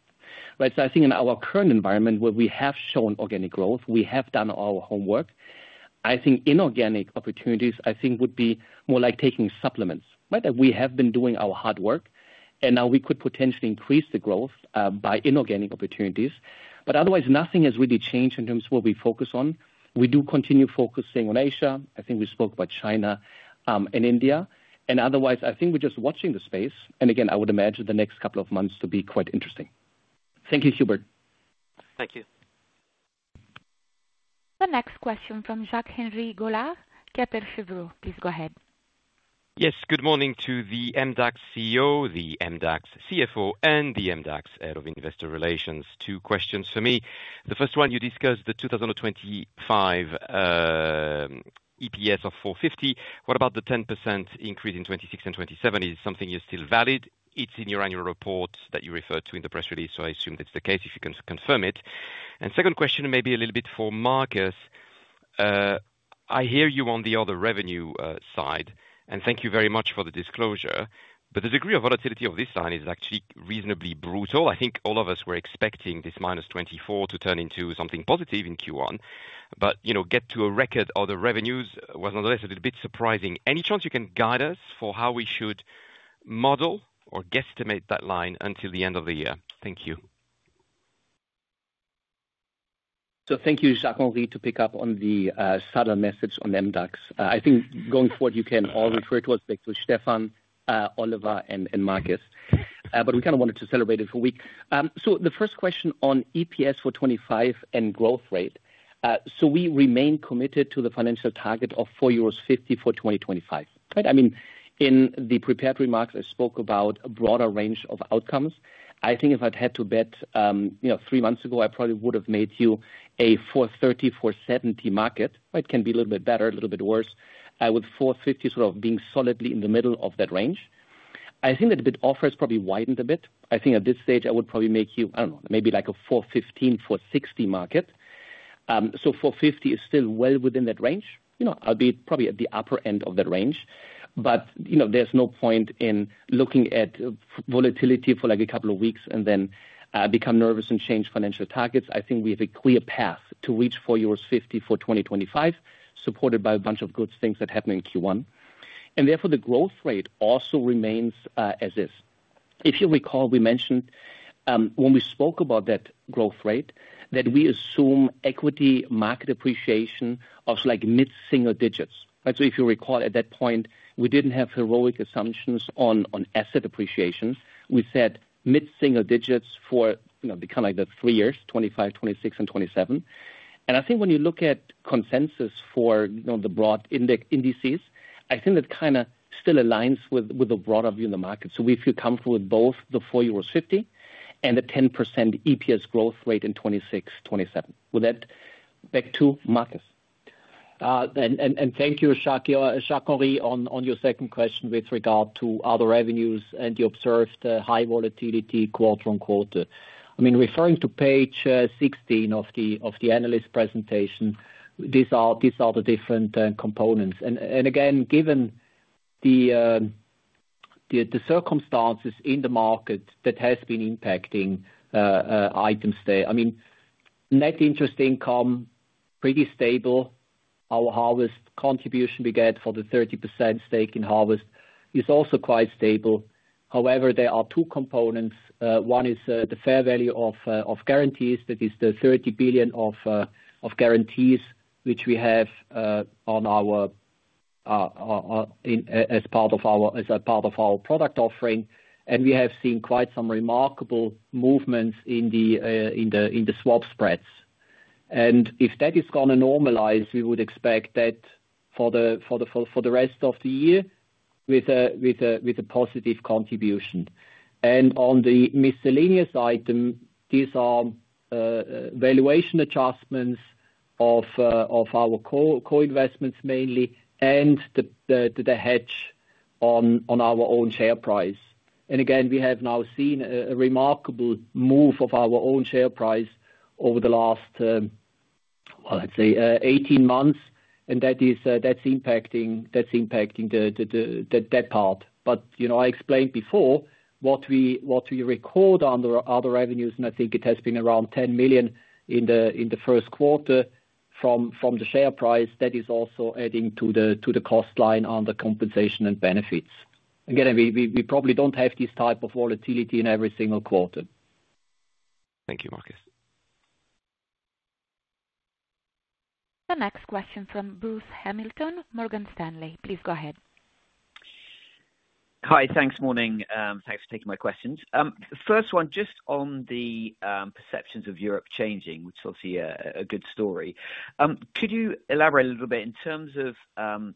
I think in our current environment, where we have shown organic growth, we have done our homework, inorganic opportunities, I think, would be more like taking supplements. We have been doing our hard work, and now we could potentially increase the growth by inorganic opportunities. Otherwise, nothing has really changed in terms of what we focus on. We do continue focusing on Asia. I think we spoke about China and India. Otherwise, I think we're just watching the space. Again, I would imagine the next couple of months to be quite interesting. Thank you, Hubert. Thank you. The next question from Jacques-Henri Gaulard, Kepler Cheuvreux. Please go ahead. Yes, good morning to the MDAX CEO, the MDAX CFO, and the MDAX Head of Investor Relations. Two questions for me. The first one, you discussed the 2025 EPS of 4.50. What about the 10% increase in 2026 and 2027? Is it something you're still valid? It's in your annual report that you refer to in the press release, so I assume that's the case if you can confirm it. Second question, maybe a little bit for Markus. I hear you on the other revenue side, and thank you very much for the disclosure. The degree of volatility of this line is actually reasonably brutal. I think all of us were expecting this minus 24 to turn into something positive in Q1. To get to a record of the revenues was, nonetheless, a little bit surprising. Any chance you can guide us for how we should model or guesstimate that line until the end of the year? Thank you. Thank you, Jacques-Henri, to pick up on the subtle message on MDAX. I think going forward, you can all refer to us back to Stefan, Oliver, and Markus. We kind of wanted to celebrate it for a week. The first question on EPS for 2025 and growth rate. We remain committed to the financial target of 4.50 euros for 2025. I mean, in the prepared remarks, I spoke about a broader range of outcomes. I think if I'd had to bet three months ago, I probably would have made you a 430-470 market. It can be a little bit better, a little bit worse, with 450 sort of being solidly in the middle of that range. I think that bid-offer has probably widened a bit. I think at this stage, I would probably make you, I do not know, maybe like a 415-460 market. Four hundred and fifty is still well within that range, albeit probably at the upper end of that range. There is no point in looking at volatility for like a couple of weeks and then become nervous and change financial targets. I think we have a clear path to reach 4.50 euros for 2025, supported by a bunch of good things that happen in Q1. Therefore, the growth rate also remains as is. If you recall, we mentioned when we spoke about that growth rate that we assume equity market appreciation of like mid-single digits. If you recall, at that point, we did not have heroic assumptions on asset appreciation. We said mid-single digits for kind of like the three years, 2025, 2026, and 2027. I think when you look at consensus for the broad indices, I think that kind of still aligns with the broader view in the market. We feel comfortable with both the 4.50 euros and the 10% EPS growth rate in 2026, 2027. With that, back to Markus. Thank you, Jacques-Henri, on your second question with regard to other revenues and the observed high volatility quarter-on-quarter. I mean, referring to page 16 of the analyst presentation, these are the different components. Again, given the circumstances in the market that have been impacting items there, I mean, net interest income pretty stable. Our Harvest contribution we get for the 30% stake in Harvest is also quite stable. However, there are two components. One is the fair value of guarantees. That is the 30 billion of guarantees which we have as part of our product offering. We have seen quite some remarkable movements in the swap spreads. If that is going to normalize, we would expect that for the rest of the year with a positive contribution. On the miscellaneous item, these are valuation adjustments of our co-investments mainly and the hedge on our own share price. Again, we have now seen a remarkable move of our own share price over the last, I would say, 18 months. That is impacting that part. I explained before what we record under other revenues, and I think it has been around 10 million in the first quarter from the share price. That is also adding to the cost line under compensation and benefits. Again, we probably do not have this type of volatility in every single quarter. Thank you, Markus. The next question from Bruce Hamilton, Morgan Stanley. Please go ahead. Hi, thanks. Morning. Thanks for taking my questions. First one, just on the perceptions of Europe changing, which is obviously a good story. Could you elaborate a little bit in terms of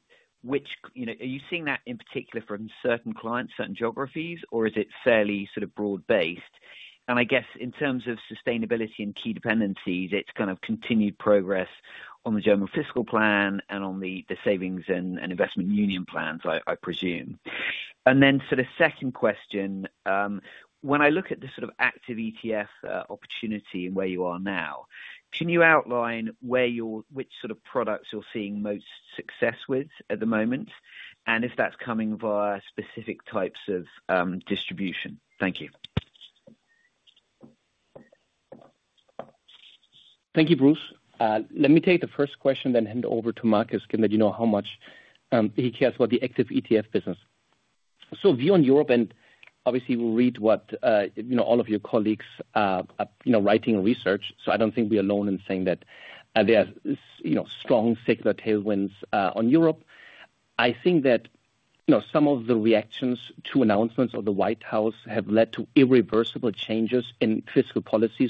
which are you seeing that in particular from certain clients, certain geographies, or is it fairly sort of broad-based? I guess in terms of sustainability and key dependencies, it is kind of continued progress on the general fiscal plan and on the savings and investment union plans, I presume. For the second question, when I look at the sort of active ETF opportunity and where you are now, can you outline which sort of products you are seeing most success with at the moment? If that's coming via specific types of distribution? Thank you. Thank you, Bruce. Let me take the first question, then hand it over to Markus, given that you know how much he cares about the active ETF business. View on Europe, and obviously, we'll read what all of your colleagues are writing and research. I don't think we're alone in saying that there are strong secular tailwinds on Europe. I think that some of the reactions to announcements of the White House have led to irreversible changes in fiscal policy.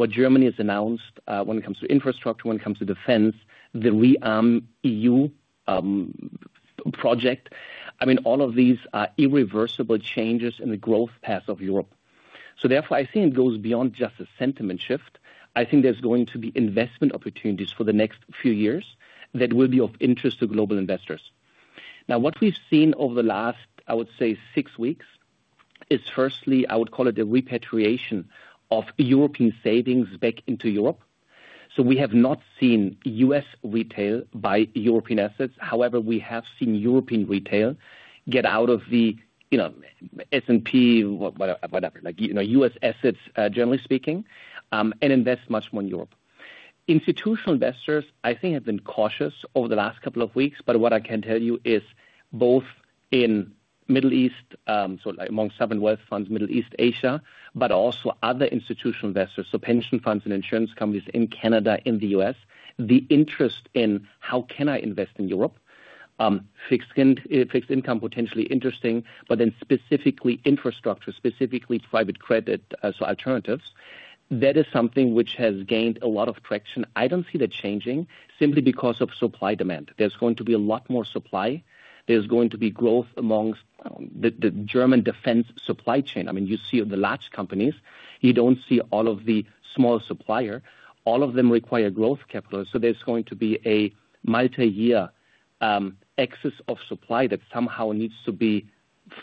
What Germany has announced when it comes to infrastructure, when it comes to defense, the rearm EU project, I mean, all of these are irreversible changes in the growth path of Europe. Therefore, I think it goes beyond just a sentiment shift. I think there's going to be investment opportunities for the next few years that will be of interest to global investors. Now, what we've seen over the last, I would say, six weeks is, firstly, I would call it a repatriation of European savings back into Europe. We have not seen U.S. retail buy European assets. However, we have seen European retail get out of the S&P, whatever, U.S. assets, generally speaking, and invest much more in Europe. Institutional investors, I think, have been cautious over the last couple of weeks. What I can tell you is both in Middle East, among Southern Wealth Funds, Middle East Asia, but also other institutional investors, pension funds and insurance companies in Canada, in the U.S., the interest in how can I invest in Europe, fixed income, potentially interesting, but then specifically infrastructure, specifically private credit, so alternatives. That is something which has gained a lot of traction. I don't see that changing simply because of supply demand. There's going to be a lot more supply. There's going to be growth amongst the German defense supply chain. I mean, you see the large companies. You don't see all of the small supplier. All of them require growth capital. There's going to be a multi-year excess of supply that somehow needs to be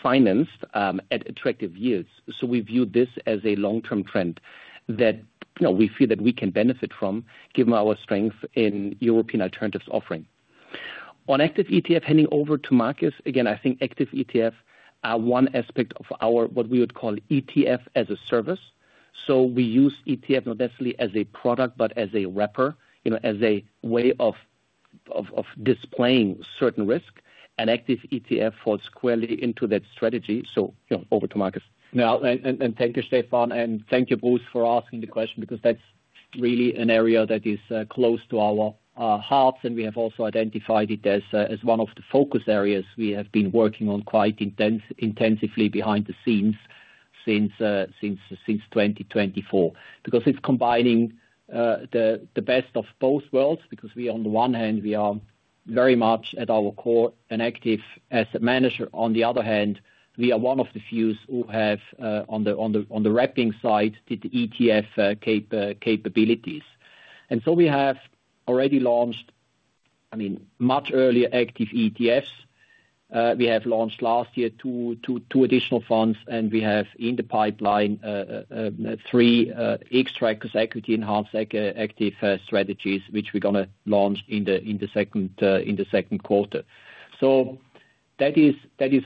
financed at attractive yields. We view this as a long-term trend that we feel that we can benefit from, given our strength in European alternatives offering. On active ETF, handing over to Markus, again, I think active ETF are one aspect of our what we would call ETF as a service. We use ETF not necessarily as a product, but as a wrapper, as a way of displaying certain risk. Active ETF falls squarely into that strategy. Over to Markus. Now and thank you, Stefan, and thank you, Bruce, for asking the question because that's really an area that is close to our hearts. We have also identified it as one of the focus areas we have been working on quite intensively behind the scenes since 2024 because it's combining the best of both worlds. On the one hand, we are very much at our core an active asset manager. On the other hand, we are one of the few who have on the wrapping side the ETF capabilities. We have already launched, I mean, much earlier active ETFs. We launched last year two additional funds, and we have in the pipeline three extra equity-enhanced active strategies, which we're going to launch in the second quarter. That is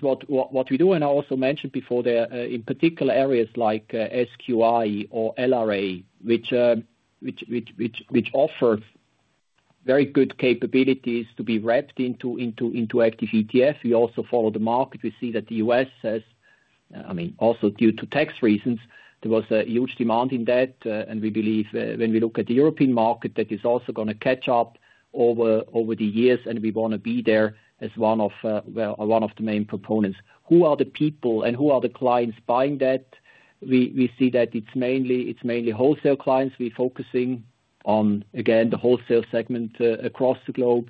what we do. I also mentioned before there in particular areas like SQI or LRA, which offer very good capabilities to be wrapped into active ETF. We also follow the market. We see that the U.S. has, I mean, also due to tax reasons, there was a huge demand in that. We believe when we look at the European market, that is also going to catch up over the years. We want to be there as one of the main proponents. Who are the people and who are the clients buying that? We see that it's mainly wholesale clients. We're focusing on, again, the wholesale segment across the globe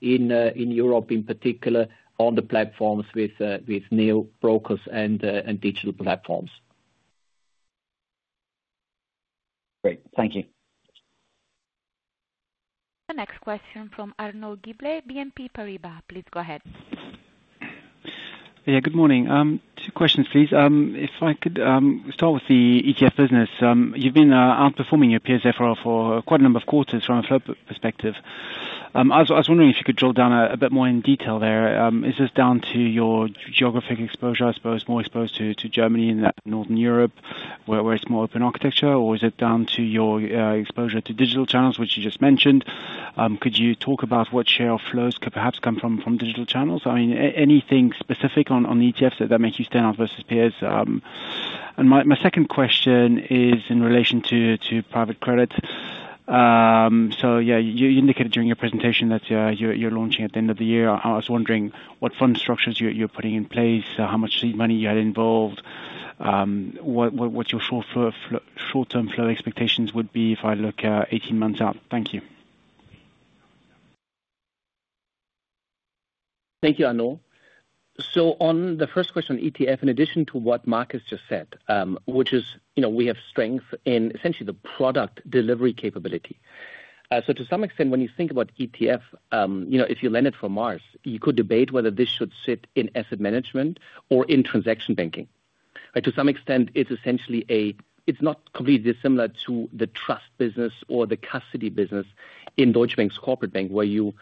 in Europe, in particular on the platforms with Neo Brokers and digital platforms. Great. Thank you. The next question from Arnaud Giblat, BNP Paribas. Please go ahead. Yeah, good morning. Two questions, please. If I could start with the ETF business, you've been outperforming your PSFR for quite a number of quarters from a float perspective. I was wondering if you could drill down a bit more in detail there. Is this down to your geographic exposure, I suppose, more exposed to Germany and Northern Europe where it's more open architecture, or is it down to your exposure to digital channels, which you just mentioned? Could you talk about what share of flows could perhaps come from digital channels? I mean, anything specific on ETFs that make you stand out versus peers? My second question is in relation to private credit. Yeah, you indicated during your presentation that you're launching at the end of the year. I was wondering what fund structures you're putting in place, how much money you had involved, what your short-term flow expectations would be if I look 18 months out. Thank you. Thank you, Arnaud. On the first question, ETF, in addition to what Markus just said, which is we have strength in essentially the product delivery capability. To some extent, when you think about ETF, if you landed from Mars, you could debate whether this should sit in asset management or in transaction banking. To some extent, it's essentially a, it's not completely dissimilar to the trust business or the custody business in Deutsche Bank's corporate bank, where you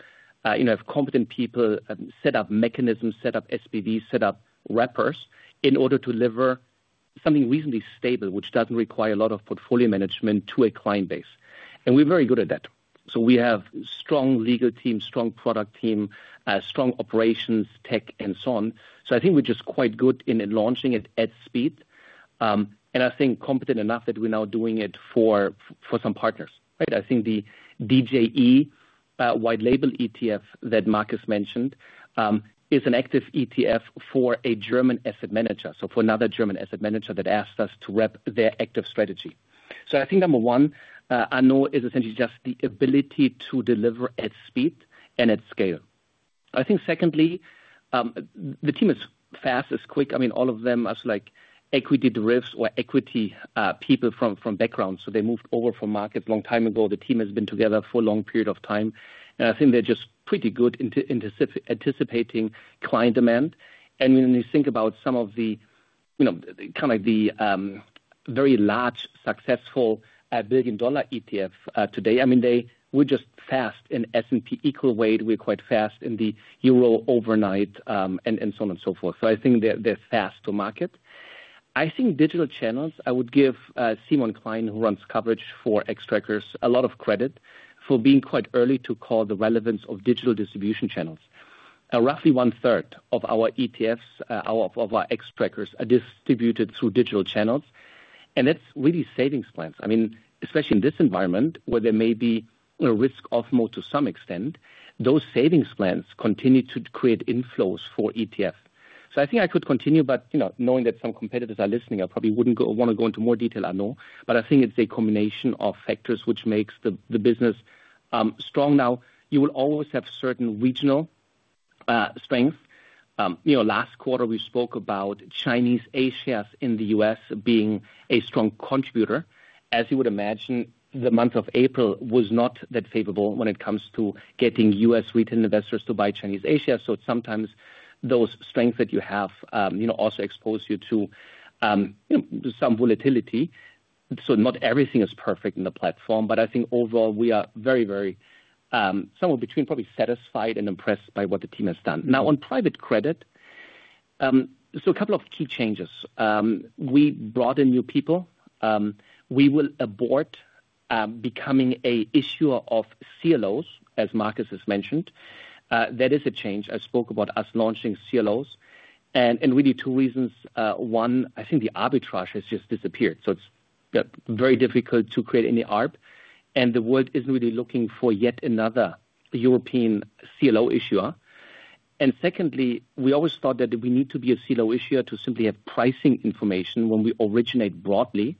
have competent people set up mechanisms, set up SPVs, set up wrappers in order to deliver something reasonably stable, which doesn't require a lot of portfolio management to a client base. We're very good at that. We have strong legal team, strong product team, strong operations, tech, and so on. I think we're just quite good in launching it at speed. I think competent enough that we're now doing it for some partners. I think the DJE wide label ETF that Markus mentioned is an active ETF for a German asset manager, so for another German asset manager that asked us to wrap their active strategy. I think number one, Arnaud, is essentially just the ability to deliver at speed and at scale. I think secondly, the team is fast, is quick. I mean, all of them are like equity derivatives or equity people from background. They moved over from markets a long time ago. The team has been together for a long period of time. I think they're just pretty good in anticipating client demand. When you think about some of the kind of the very large successful billion-dollar ETF today, I mean, they were just fast in S&P equal weight. We're quite fast in the Euro overnight and so on and so forth. I think they're fast to market. I think digital channels, I would give Simon Klein, who runs coverage for Xtrackers, a lot of credit for being quite early to call the relevance of digital distribution channels. Roughly one-third of our ETFs, of our Xtrackers, are distributed through digital channels. That's really savings plans. I mean, especially in this environment where there may be a risk of more to some extent, those savings plans continue to create inflows for ETF. I think I could continue, but knowing that some competitors are listening, I probably wouldn't want to go into more detail, Arnaud. I think it's a combination of factors which makes the business strong. You will always have certain regional strengths. Last quarter, we spoke about Chinese A-shares in the US being a strong contributor. As you would imagine, the month of April was not that favorable when it comes to getting US retail investors to buy Chinese A-shares. Sometimes those strengths that you have also expose you to some volatility. Not everything is perfect in the platform. I think overall, we are very, very somewhere between probably satisfied and impressed by what the team has done. On private credit, a couple of key changes. We brought in new people. We will abort becoming an issuer of CLOs, as Markus has mentioned. That is a change. I spoke about us launching CLOs and really two reasons. One, I think the arbitrage has just disappeared. It's very difficult to create any ARB. The world isn't really looking for yet another European CLO issuer. Secondly, we always thought that we need to be a CLO issuer to simply have pricing information when we originate broadly.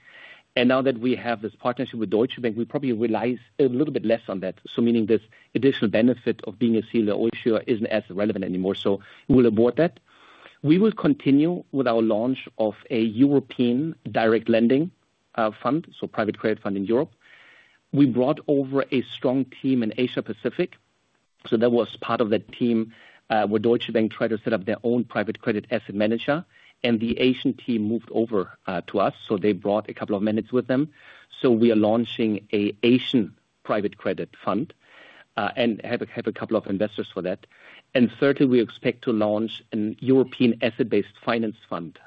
Now that we have this partnership with Deutsche Bank, we probably rely a little bit less on that. This additional benefit of being a CLO issuer isn't as relevant anymore. We'll abort that. We will continue with our launch of a European direct lending fund, so private credit fund in Europe. We brought over a strong team in Asia-Pacific. There was part of that team where Deutsche Bank tried to set up their own private credit asset manager. The Asian team moved over to us. They brought a couple of minutes with them. We are launching an Asian private credit fund and have a couple of investors for that. Thirdly, we expect to launch a European asset-based finance fund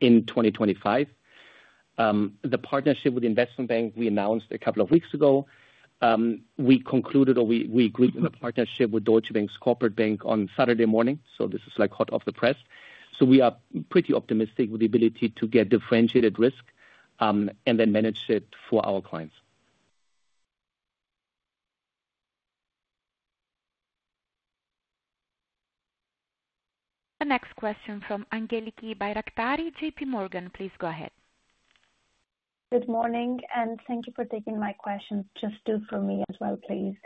in 2025. The partnership with Investment Bank, we announced a couple of weeks ago. We concluded or we agreed with the partnership with Deutsche Bank's corporate bank on Saturday morning. This is like hot off the press. We are pretty optimistic with the ability to get differentiated risk and then manage it for our clients. The next question from Angeliki Bairaktari, JP Morgan. Please go ahead. Good morning. And thank you for taking my question. Just do for me as well, please.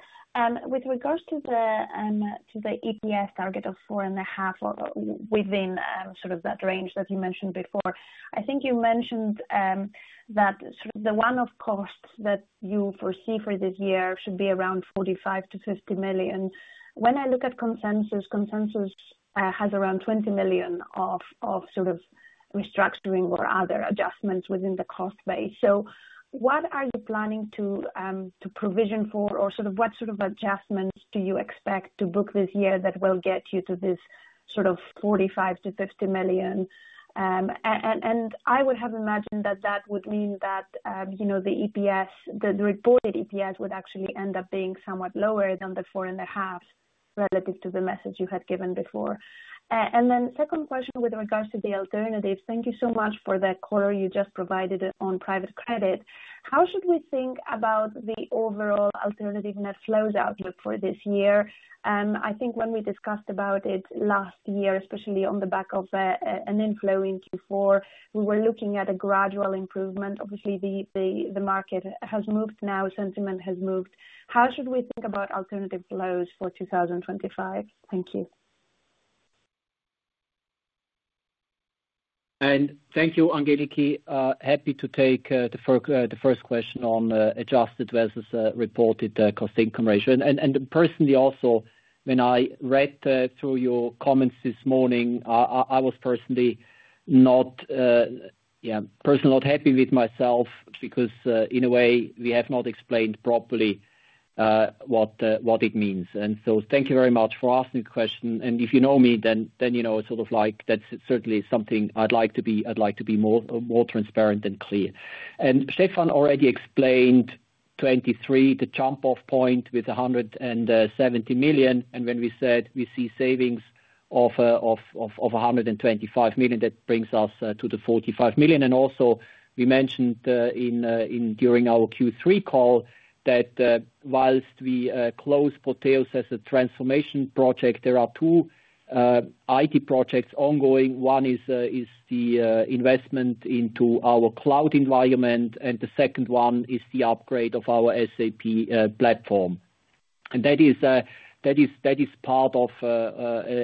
With regards to the EPS target of 4.5 within sort of that range that you mentioned before, I think you mentioned that sort of the one-off costs that you foresee for this year should be around 45 million-50 million. When I look at consensus, consensus has around 20 million of sort of restructuring or other adjustments within the cost base. What are you planning to provision for or sort of what sort of adjustments do you expect to book this year that will get you to this sort of 45 million-50 million? I would have imagined that that would mean that the reported EPS would actually end up being somewhat lower than the 4.5 relative to the message you had given before. Second question with regards to the alternatives, thank you so much for the color you just provided on private credit. How should we think about the overall alternative net flows outlook for this year? I think when we discussed about it last year, especially on the back of an inflow in Q4, we were looking at a gradual improvement. Obviously, the market has moved now. Sentiment has moved. How should we think about alternative flows for 2025? Thank you. Thank you, Angeliki. Happy to take the first question on adjusted versus reported cost income ratio. Personally, also when I read through your comments this morning, I was personally not, yeah, personally not happy with myself because in a way, we have not explained properly what it means. Thank you very much for asking the question. If you know me, then you know sort of like that's certainly something I'd like to be more transparent and clear. Stefan already explained 2023, the jump-off point with 170 million. When we said we see savings of 125 million, that brings us to the 45 million. We also mentioned during our Q3 call that whilst we close Porteos as a transformation project, there are two IT projects ongoing. One is the investment into our cloud environment, and the second one is the upgrade of our SAP platform. That is part of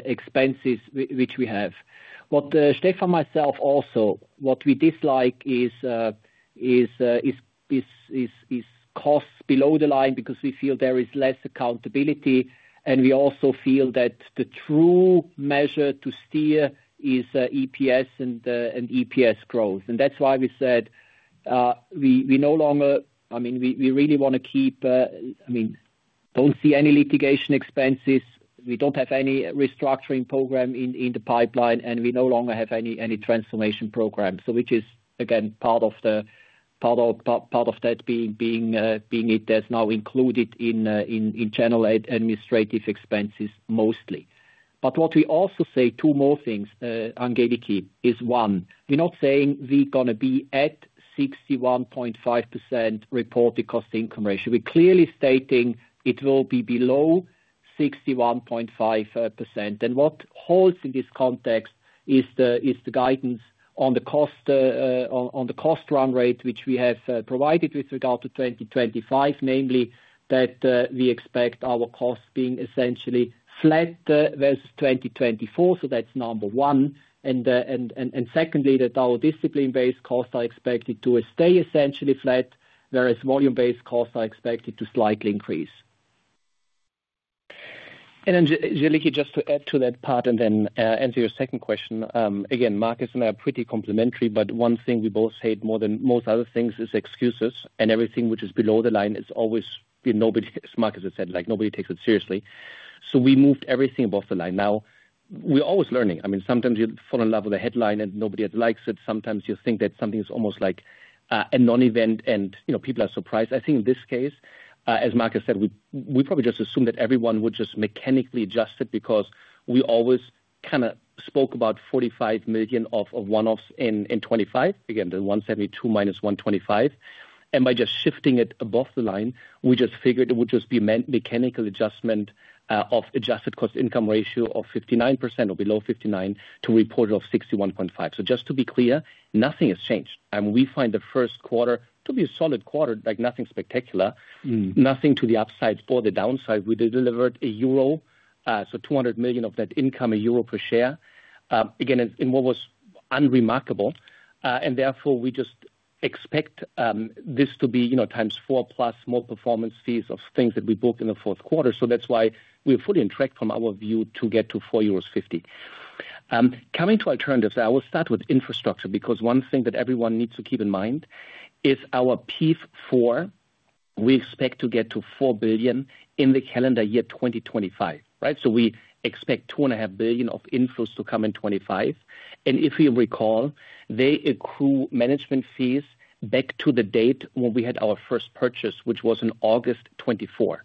expenses which we have. What Stefan and myself also, what we dislike is costs below the line because we feel there is less accountability. We also feel that the true measure to steer is EPS and EPS growth. That is why we said we no longer, I mean, we really want to keep, I mean, do not see any litigation expenses. We do not have any restructuring program in the pipeline, and we no longer have any transformation program, which is, again, part of that being it that is now included in general administrative expenses mostly. What we also say, two more things, Angeliki, is one, we are not saying we are going to be at 61.5% reported cost income ratio. We are clearly stating it will be below 61.5%. What holds in this context is the guidance on the cost run rate, which we have provided with regard to 2025, namely that we expect our costs being essentially flat versus 2024. That is number one. Secondly, our discipline-based costs are expected to stay essentially flat, whereas volume-based costs are expected to slightly increase. Angeliki, just to add to that part and then answer your second question. Again, Markus and I are pretty complementary, but one thing we both hate more than most other things is excuses. Everything which is below the line is always, as Markus has said, like nobody takes it seriously. We moved everything above the line. Now, we're always learning. I mean, sometimes you fall in love with a headline and nobody likes it. Sometimes you think that something is almost like a non-event and people are surprised. I think in this case, as Markus said, we probably just assumed that everyone would just mechanically adjust it because we always kind of spoke about 45 million of one-offs in 2025, again, the 172 million - 125 million. By just shifting it above the line, we just figured it would just be a mechanical adjustment of adjusted cost income ratio of 59% or below 59% to reported of 61.5%. Just to be clear, nothing has changed. We find the first quarter to be a solid quarter, like nothing spectacular, nothing to the upside or the downside. We delivered 200 million euro of net income, a euro per share. Again, in what was unremarkable. Therefore, we just expect this to be times four plus more performance fees of things that we booked in the fourth quarter. That is why we are fully entracked from our view to get to 4.50 euros. Coming to alternatives, I will start with infrastructure because one thing that everyone needs to keep in mind is our P4 fund. We expect to get to 4 billion in the calendar year 2025, right? We expect 2.5 billion of inflows to come in 2025. If you recall, they accrue management fees back to the date when we had our first purchase, which was in August 2024.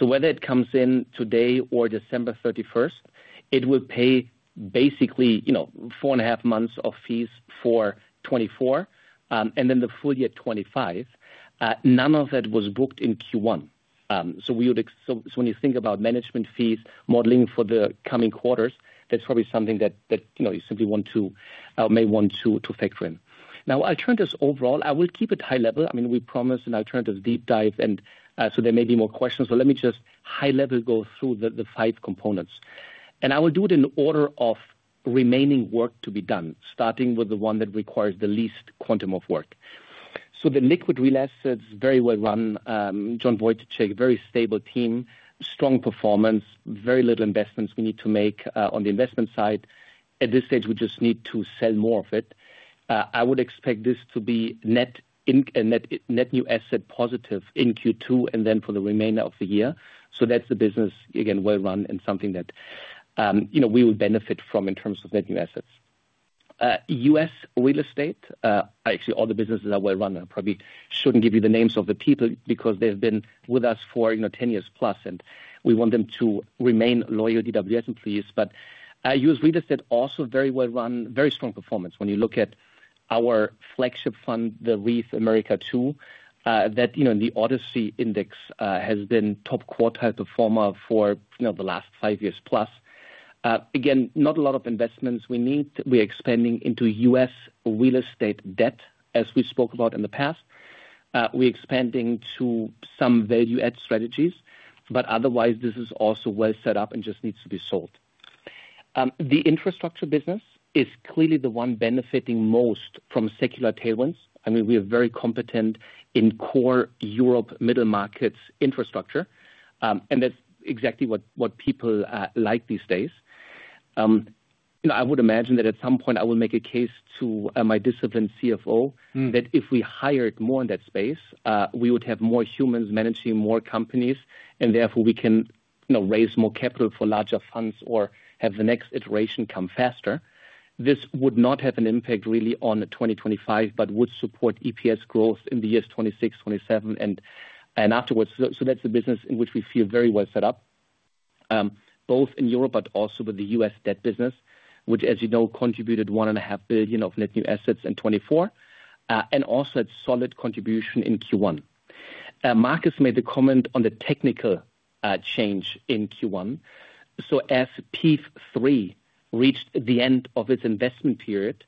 Whether it comes in today or December 31st, it will pay basically four and a half months of fees for 2024 and then the full year 2025. None of that was booked in Q1. When you think about management fees modeling for the coming quarters, that's probably something that you simply want to or may want to factor in. Now, alternatives overall, I will keep it high level. I mean, we promised an alternatives deep dive, and so there may be more questions. Let me just high level go through the five components. I will do it in order of remaining work to be done, starting with the one that requires the least quantum of work. The liquid real assets, very well run, John Vojticek, very stable team, strong performance, very little investments we need to make on the investment side. At this stage, we just need to sell more of it. I would expect this to be net new asset positive in Q2 and then for the remainder of the year. That is the business, again, well run and something that we will benefit from in terms of net new assets. U.S. real estate, actually all the businesses are well run. I probably should not give you the names of the people because they have been with us for 10 years plus, and we want them to remain loyal DWS employees. US real estate also very well run, very strong performance. When you look at our flagship fund, the Reef America 2, the Odyssey Index has been top quartile performer for the last five years plus. Again, not a lot of investments we need. We are expanding into U.S. real estate debt, as we spoke about in the past. We are expanding to some value-add strategies, but otherwise, this is also well set up and just needs to be sold. The infrastructure business is clearly the one benefiting most from secular tailwinds. I mean, we are very competent in core Europe middle markets infrastructure. And that's exactly what people like these days. I would imagine that at some point, I will make a case to my disciplined CFO that if we hired more in that space, we would have more humans managing more companies, and therefore, we can raise more capital for larger funds or have the next iteration come faster. This would not have an impact really on 2025, but would support EPS growth in the years 2026, 2027, and afterwards. That is the business in which we feel very well set up, both in Europe, but also with the U.S. debt business, which, as you know, contributed 1.5 billion of net new assets in 2024 and also a solid contribution in Q1. Markus made the comment on the technical change in Q1. As P3 reached the end of its investment period,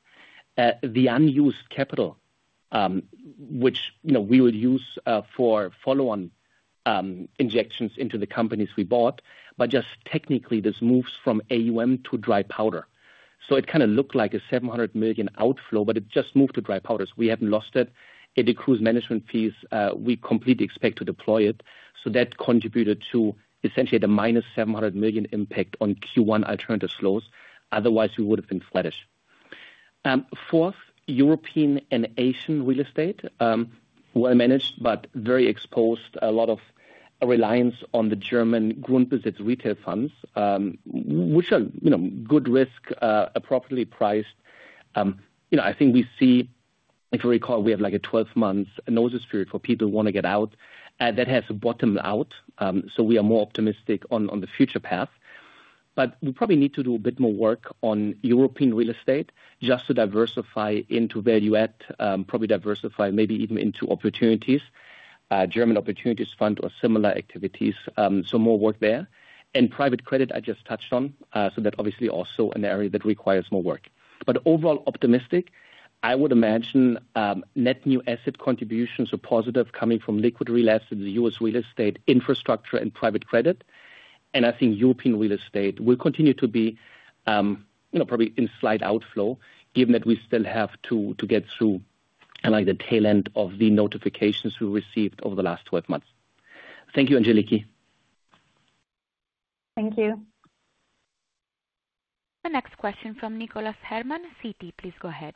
the unused capital, which we will use for follow-on injections into the companies we bought, but just technically, this moves from AUM to dry powder. It kind of looked like a 700 million outflow, but it just moved to dry powder. We haven't lost it. It accrues management fees. We completely expect to deploy it. That contributed to essentially the minus 700 million impact on Q1 alternative flows. Otherwise, we would have been flattish. Fourth, European and Asian real estate, well managed, but very exposed, a lot of reliance on the German Grundbesitz retail funds, which are good risk, appropriately priced. I think we see, if you recall, we have like a 12-month notice period for people who want to get out. That has bottomed out. We are more optimistic on the future path. We probably need to do a bit more work on European real estate just to diversify into value-add, probably diversify maybe even into opportunities, German Opportunities Fund or similar activities. More work there. Private credit, I just touched on. That obviously also an area that requires more work. Overall optimistic, I would imagine net new asset contributions are positive coming from liquid real estate, U.S. real estate, infrastructure, and private credit. I think European real estate will continue to be probably in slight outflow, given that we still have to get through the tail end of the notifications we received over the last 12 months. Thank you, Angeliki. Thank you. The next question from Nicholas Herman, Citi, please go ahead.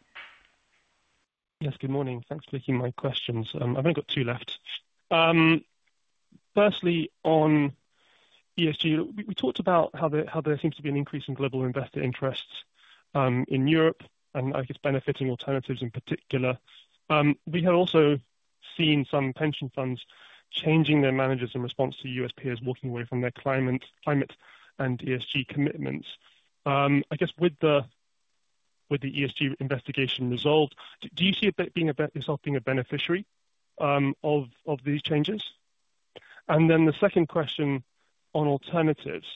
Yes, good morning. Thanks for taking my questions. I've only got two left. Firstly, on ESG, we talked about how there seems to be an increase in global investor interests in Europe, and I guess benefiting alternatives in particular. We have also seen some pension funds changing their managers in response to U.S. peers walking away from their climate and ESG commitments. I guess with the ESG investigation resolved, do you see yourself being a beneficiary of these changes? The second question on alternatives,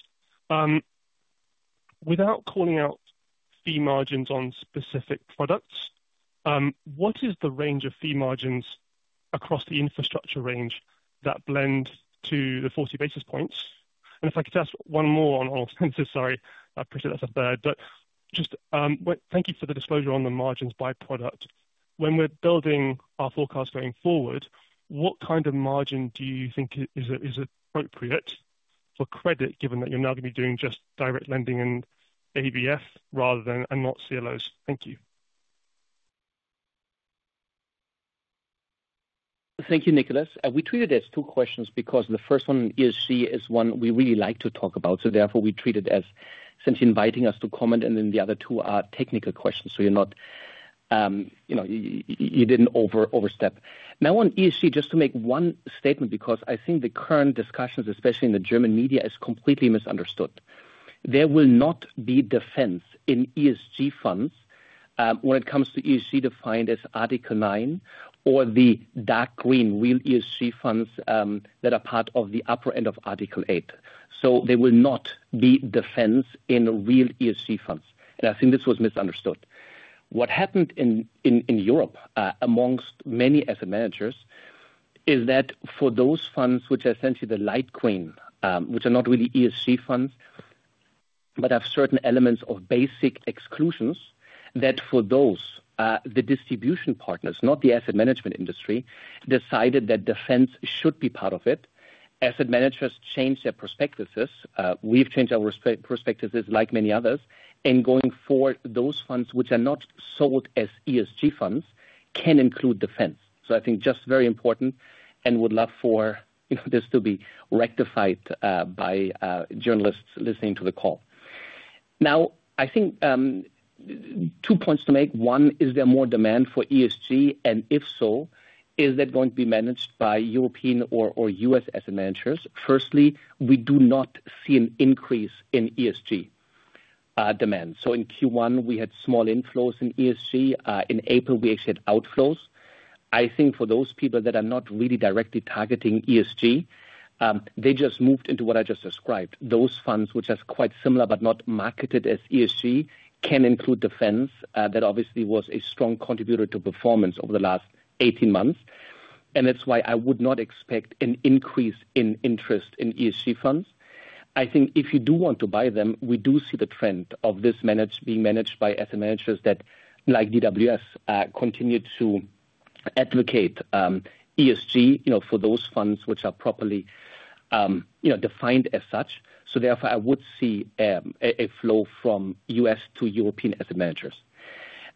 without calling out fee margins on specific products, what is the range of fee margins across the infrastructure range that blend to the 40 basis points? If I could ask one more on all senses, sorry, I appreciate that's a third, but just thank you for the disclosure on the margins by product. When we're building our forecast going forward, what kind of margin do you think is appropriate for credit, given that you're now going to be doing just direct lending and ABF rather than and not CLOs? Thank you. Thank you, Nicholas. We treated it as two questions because the first one, ESG, is one we really like to talk about. We treat it as since inviting us to comment, and then the other two are technical questions. You didn't overstep. Now on ESG, just to make one statement, because I think the current discussions, especially in the German media, is completely misunderstood. There will not be defense in ESG funds when it comes to ESG defined as Article 9 or the dark green real ESG funds that are part of the upper end of Article 8. There will not be defense in real ESG funds. I think this was misunderstood. What happened in Europe amongst many asset managers is that for those funds, which are essentially the light green, which are not really ESG funds, but have certain elements of basic exclusions, for those, the distribution partners, not the asset management industry, decided that defense should be part of it. Asset managers changed their perspectives. We have changed our perspectives like many others. Going forward, those funds, which are not sold as ESG funds, can include defense. I think just very important and would love for this to be rectified by journalists listening to the call. Now, I think two points to make. One is, is there more demand for ESG? And if so, is that going to be managed by European or U.S. asset managers? Firstly, we do not see an increase in ESG demand. In Q1, we had small inflows in ESG. In April, we actually had outflows. I think for those people that are not really directly targeting ESG, they just moved into what I just described. Those funds, which are quite similar but not marketed as ESG, can include defense that obviously was a strong contributor to performance over the last 18 months. That is why I would not expect an increase in interest in ESG funds. I think if you do want to buy them, we do see the trend of this being managed by asset managers that, like DWS, continue to advocate ESG for those funds which are properly defined as such. Therefore, I would see a flow from U.S. to European asset managers.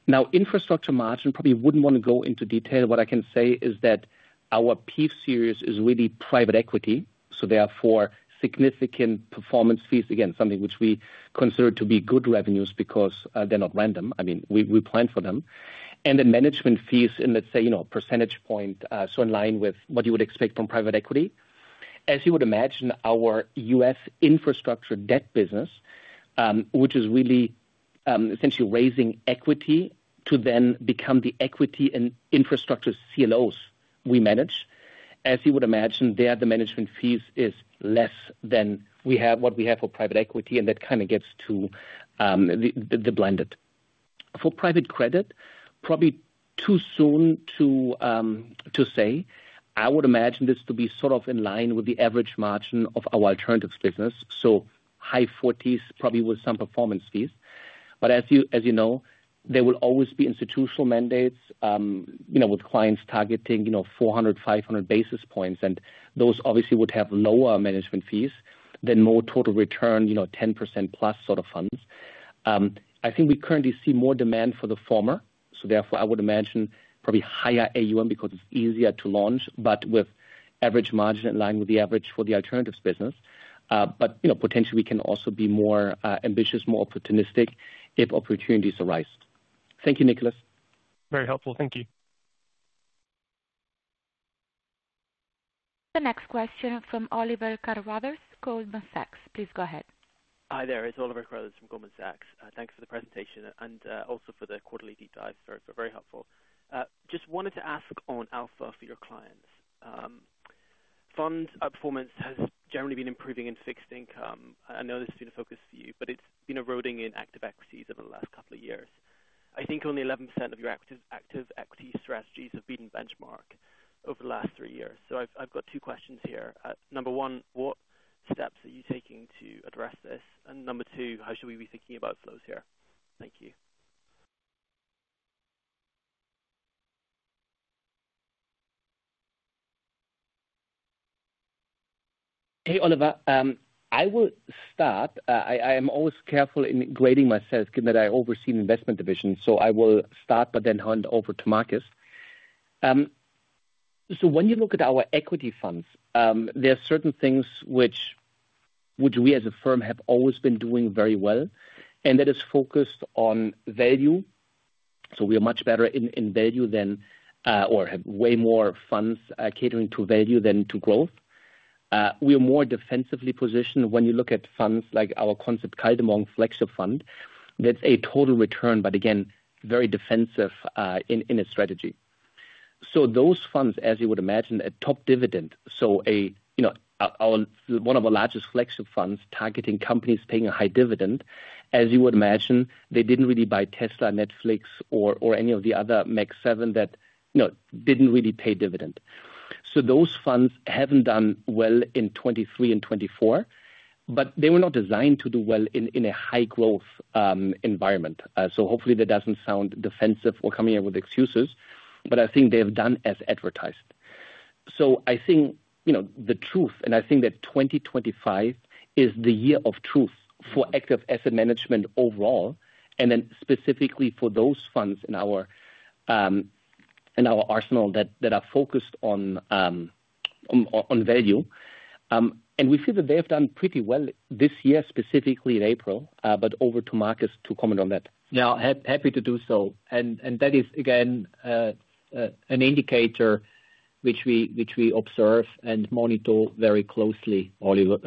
Now, infrastructure margin probably would not want to go into detail. What I can say is that our PEEF series is really private equity. Therefore, significant performance fees, again, something which we consider to be good revenues because they're not random. I mean, we plan for them. And then management fees in, let's say, a percentage point, so in line with what you would expect from private equity. As you would imagine, our US infrastructure debt business, which is really essentially raising equity to then become the equity and infrastructure CLOs we manage. As you would imagine, there, the management fees is less than what we have for private equity, and that kind of gets to the blended. For private credit, probably too soon to say. I would imagine this to be sort of in line with the average margin of our alternatives business. So high 40s probably with some performance fees. But as you know, there will always be institutional mandates with clients targeting 400-500 basis points. Those obviously would have lower management fees than more total return, 10%+ sort of funds. I think we currently see more demand for the former. Therefore, I would imagine probably higher AUM because it's easier to launch, but with average margin in line with the average for the alternatives business. Potentially, we can also be more ambitious, more opportunistic if opportunities arise. Thank you, Nicholas. Very helpful. Thank you. The next question from Oliver Carruthers, Goldman Sachs. Please go ahead. Hi there. It's Oliver Carruthers from Goldman Sachs. Thanks for the presentation and also for the quarterly deep dive. Very helpful. Just wanted to ask on Alpha for your clients. Fund performance has generally been improving in fixed income. I know this has been a focus for you, but it's been eroding in active equities over the last couple of years. I think only 11% of your active equity strategies have beaten benchmark over the last three years. So I've got two questions here. Number one, what steps are you taking to address this? And number two, how should we be thinking about flows here? Thank you. Hey, Oliver. I will start. I am always careful in grading myself given that I oversee the investment division. I will start, but then hand over to Markus. When you look at our equity funds, there are certain things which we as a firm have always been doing very well. That is focused on value. We are much better in value than or have way more funds catering to value than to growth. We are more defensively positioned when you look at funds like our Concept Kaldemorgen Flexifund. That is a total return, but again, very defensive in a strategy. Those funds, as you would imagine, a top dividend. One of our largest flexible funds targeting companies paying a high dividend, as you would imagine, they did not really buy Tesla, Netflix, or any of the other Meg 7 that did not really pay dividend. Those funds have not done well in 2023 and 2024, but they were not designed to do well in a high growth environment. Hopefully, that does not sound defensive or like coming up with excuses, but I think they have done as advertised. I think the truth, and I think that 2025 is the year of truth for active asset management overall, and then specifically for those funds in our arsenal that are focused on value. We feel that they have done pretty well this year, specifically in April, but over to Markus to comment on that. Yeah, happy to do so. That is, again, an indicator which we observe and monitor very closely, Oliver.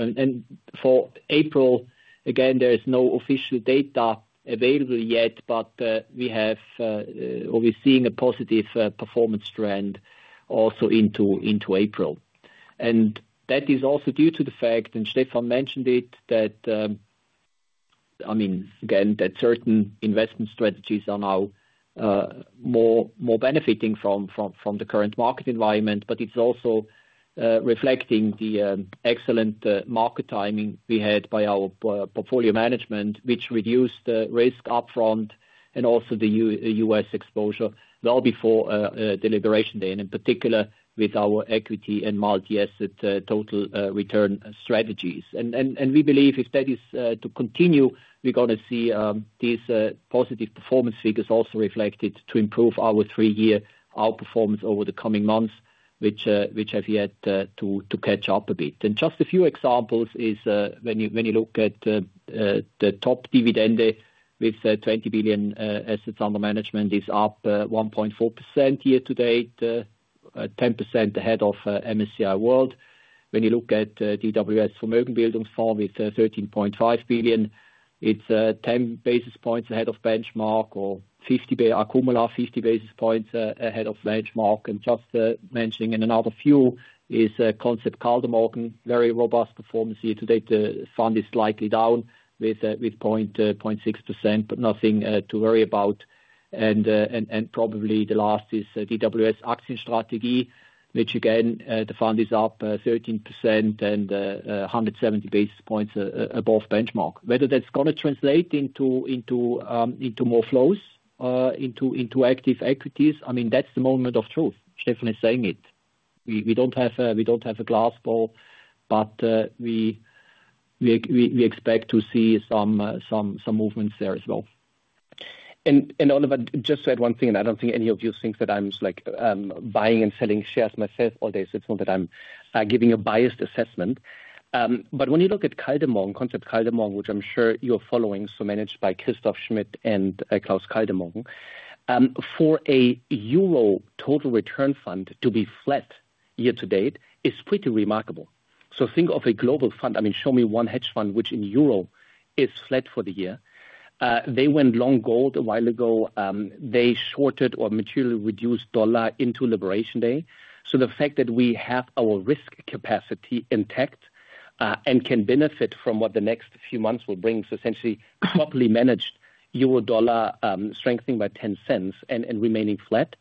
For April, again, there is no official data available yet, but we have always seen a positive performance trend also into April. That is also due to the fact, and Stefan mentioned it, that, I mean, again, that certain investment strategies are now more benefiting from the current market environment, but it is also reflecting the excellent market timing we had by our portfolio management, which reduced the risk upfront and also the U.S. exposure well before election day, and in particular with our equity and multi-asset total return strategies. We believe if that is to continue, we are going to see these positive performance figures also reflected to improve our three-year outperformance over the coming months, which have yet to catch up a bit. Just a few examples is when you look at the Top Dividend with 20 billion assets under management, it's up 1.4% year-to-date, 10% ahead of MSCI World. When you look at DWS Vermögenbildungsfonds with 13.5 billion, it's 10 basis points ahead of benchmark or accumulated 50 basis points ahead of benchmark. Just mentioning another few is Concept Kaldemorgen, very robust performance year to date. The fund is slightly down with 0.6%, but nothing to worry about. Probably the last is DWS Aktienstrategie, which again, the fund is up 13% and 170 basis points above benchmark. Whether that's going to translate into more flows, into active equities, I mean, that's the moment of truth. Stefan is saying it. We don't have a glass ball, but we expect to see some movements there as well. Oliver, just to add one thing, I don't think any of you think that I'm buying and selling shares myself all day. It's not that I'm giving a biased assessment. When you look at Kaldemorgen, Concept Kaldemorgen, which I'm sure you're following, managed by Christoph Schmidt and Klaus Kaldemorgen, for a EUR total return fund to be flat year to date is pretty remarkable. Think of a global fund. I mean, show me one hedge fund which in EUR is flat for the year. They went long gold a while ago. They shorted or materially reduced dollar into liberation day. The fact that we have our risk capacity intact and can benefit from what the next few months will bring is essentially properly managed. Euro dollar strengthening by 0.10 and remaining flat,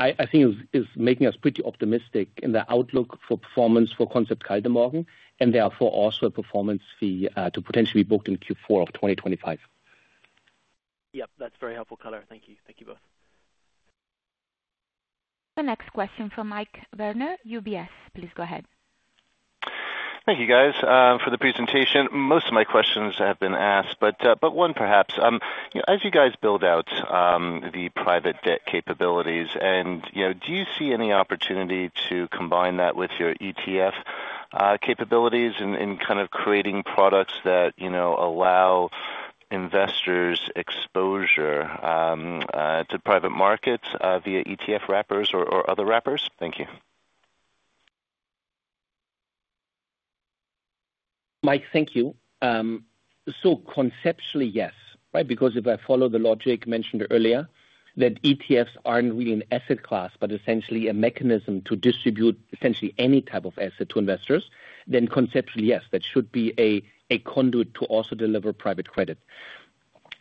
I think, is making us pretty optimistic in the outlook for performance for Concept Kaldemorgen and therefore also a performance fee to potentially be booked in Q4 of 2025. Yep. That's very helpful, Kobler. Thank you. Thank you both. The next question for Mike Werner, UBS. Please go ahead. Thank you, guys, for the presentation. Most of my questions have been asked, but one perhaps. As you guys build out the private debt capabilities, do you see any opportunity to combine that with your ETF capabilities in kind of creating products that allow investors exposure to private markets via ETF wrappers or other wrappers? Thank you. Mike, thank you. Conceptually, yes, right? Because if I follow the logic mentioned earlier that ETFs aren't really an asset class, but essentially a mechanism to distribute essentially any type of asset to investors, then conceptually, yes, that should be a conduit to also deliver private credit.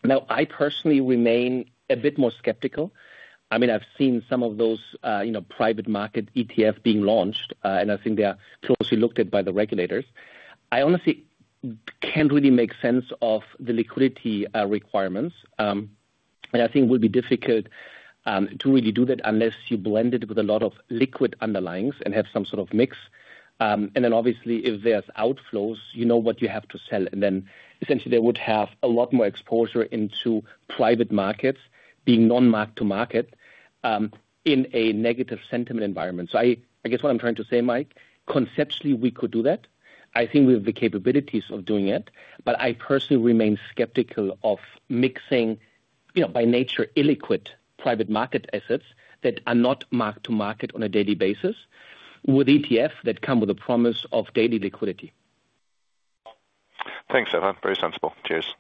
Now, I personally remain a bit more skeptical. I mean, I've seen some of those private market ETFs being launched, and I think they are closely looked at by the regulators. I honestly can't really make sense of the liquidity requirements. I think it would be difficult to really do that unless you blend it with a lot of liquid underlyings and have some sort of mix. Obviously, if there's outflows, you know what you have to sell. Essentially, they would have a lot more exposure into private markets being non-mark to market in a negative sentiment environment. I guess what I'm trying to say, Mike, conceptually, we could do that. I think we have the capabilities of doing it, but I personally remain skeptical of mixing by nature illiquid private market assets that are not mark to market on a daily basis with ETFs that come with a promise of daily liquidity. Thanks, Stefan. Very sensible. Cheers.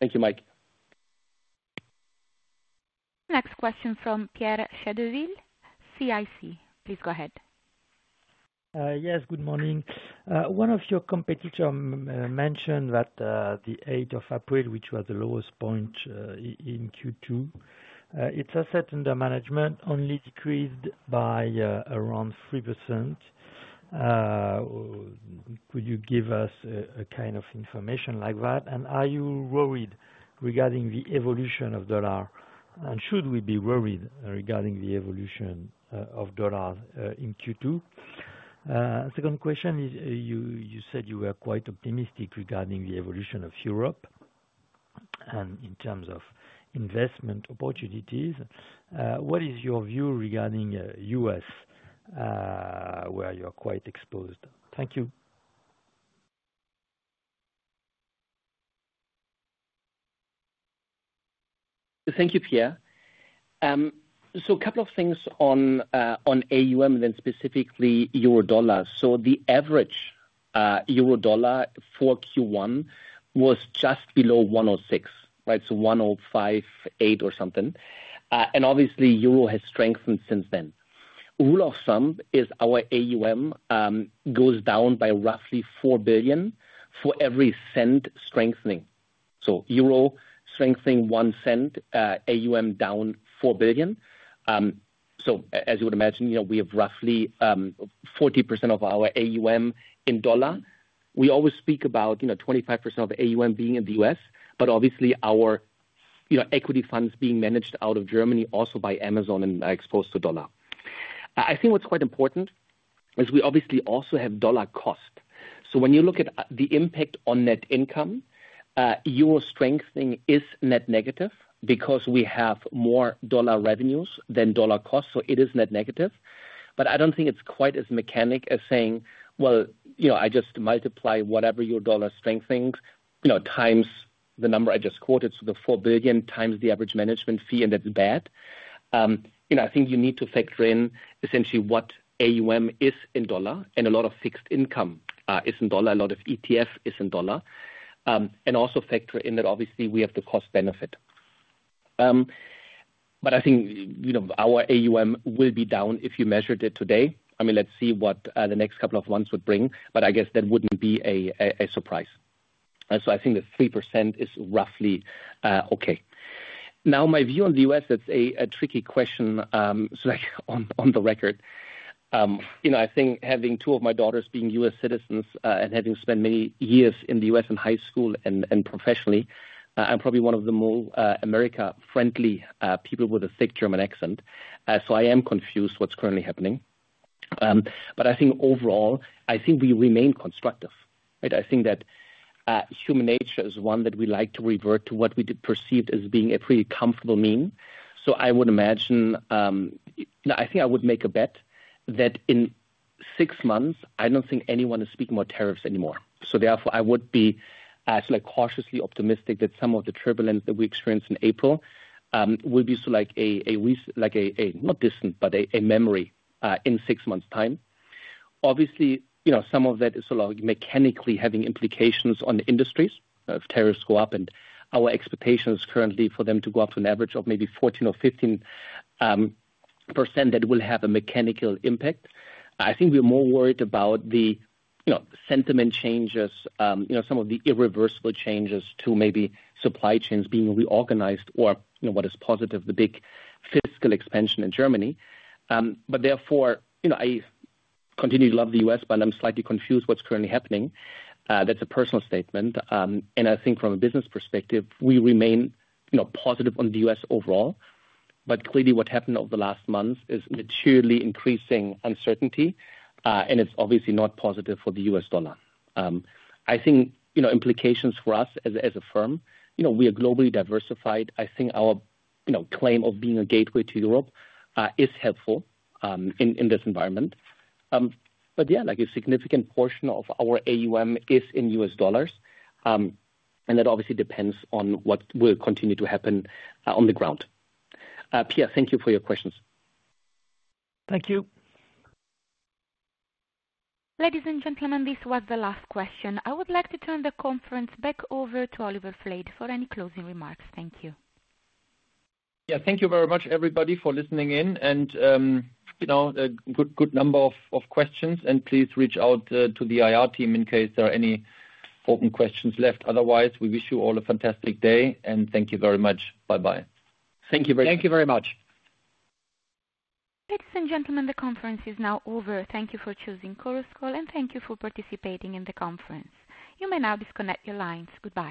Thank you, Mike. Next question from Pierre Chedeville, CIC. Please go ahead. Yes, good morning. One of your competitors mentioned that the 8th of April, which was the lowest point in Q2, its asset under management only decreased by around 3%. Could you give us a kind of information like that? Are you worried regarding the evolution of dollar? Should we be worried regarding the evolution of dollar in Q2? Second question, you said you were quite optimistic regarding the evolution of Europe and in terms of investment opportunities. What is your view regarding the U.S. where you're quite exposed? Thank you. Thank you, Pierre. A couple of things on AUM and then specifically euro-dollar. The average euro-dollar for Q1 was just below 1.06, right? So 1.058 or something. Obviously, euro has strengthened since then. Rule of thumb is our AUM goes down by roughly 4 billion for every cent strengthening. Euro strengthening 1 cent, AUM down 4 billion. As you would imagine, we have roughly 40% of our AUM in dollar. We always speak about 25% of the AUM being in the US, but obviously, our equity funds being managed out of Germany also by Amazon and exposed to dollar. I think what's quite important is we obviously also have dollar cost. When you look at the impact on net income, EUR strengthening is net negative because we have more dollar revenues than dollar cost. It is net negative. I do not think it is quite as mechanic as saying, you just multiply whatever your dollar strengthens times the number I just quoted, so the 4 billion times the average management fee, and that is bad. I think you need to factor in essentially what AUM is in dollar, and a lot of fixed income is in dollar, a lot of ETF is in dollar. Also factor in that obviously we have the cost benefit. I think our AUM will be down if you measured it today. I mean, let us see what the next couple of months would bring, but I guess that would not be a surprise. I think the 3% is roughly okay. Now, my view on the US, that's a tricky question. On the record, I think having two of my daughters being US citizens and having spent many years in the U.S. in high school and professionally, I'm probably one of the more America-friendly people with a thick German accent. I am confused what's currently happening. I think overall, we remain constructive. I think that human nature is one that we like to revert to what we perceived as being a pretty comfortable mean. I would imagine, I think I would make a bet that in six months, I don't think anyone is speaking about tariffs anymore. Therefore, I would be cautiously optimistic that some of the turbulence that we experienced in April will be sort of like a not distant, but a memory in six months' time. Obviously, some of that is sort of mechanically having implications on the industries if tariffs go up. Our expectations currently for them to go up to an average of maybe 14% or 15% will have a mechanical impact. I think we're more worried about the sentiment changes, some of the irreversible changes to maybe supply chains being reorganized or what is positive, the big fiscal expansion in Germany. Therefore, I continue to love the U.S., but I'm slightly confused what's currently happening. That's a personal statement. I think from a business perspective, we remain positive on the U.S. overall. Clearly, what happened over the last month is materially increasing uncertainty, and it's obviously not positive for the U.S. dollar. I think implications for us as a firm, we are globally diversified. I think our claim of being a gateway to Europe is helpful in this environment. Yeah, a significant portion of our AUM is in U.S. dollars. That obviously depends on what will continue to happen on the ground. Pierre, thank you for your questions. Thank you. Ladies and gentlemen, this was the last question. I would like to turn the conference back over to Oliver Flade for any closing remarks. Thank you. Yeah, thank you very much, everybody, for listening in. A good number of questions. Please reach out to the IR team in case there are any open questions left. Otherwise, we wish you all a fantastic day. Thank you very much. Bye-bye. Thank you very much. Thank you very much. Ladies and gentlemen, the conference is now over. Thank you for choosing Coruscall, and thank you for participating in the conference. You may now disconnect your lines. Goodbye.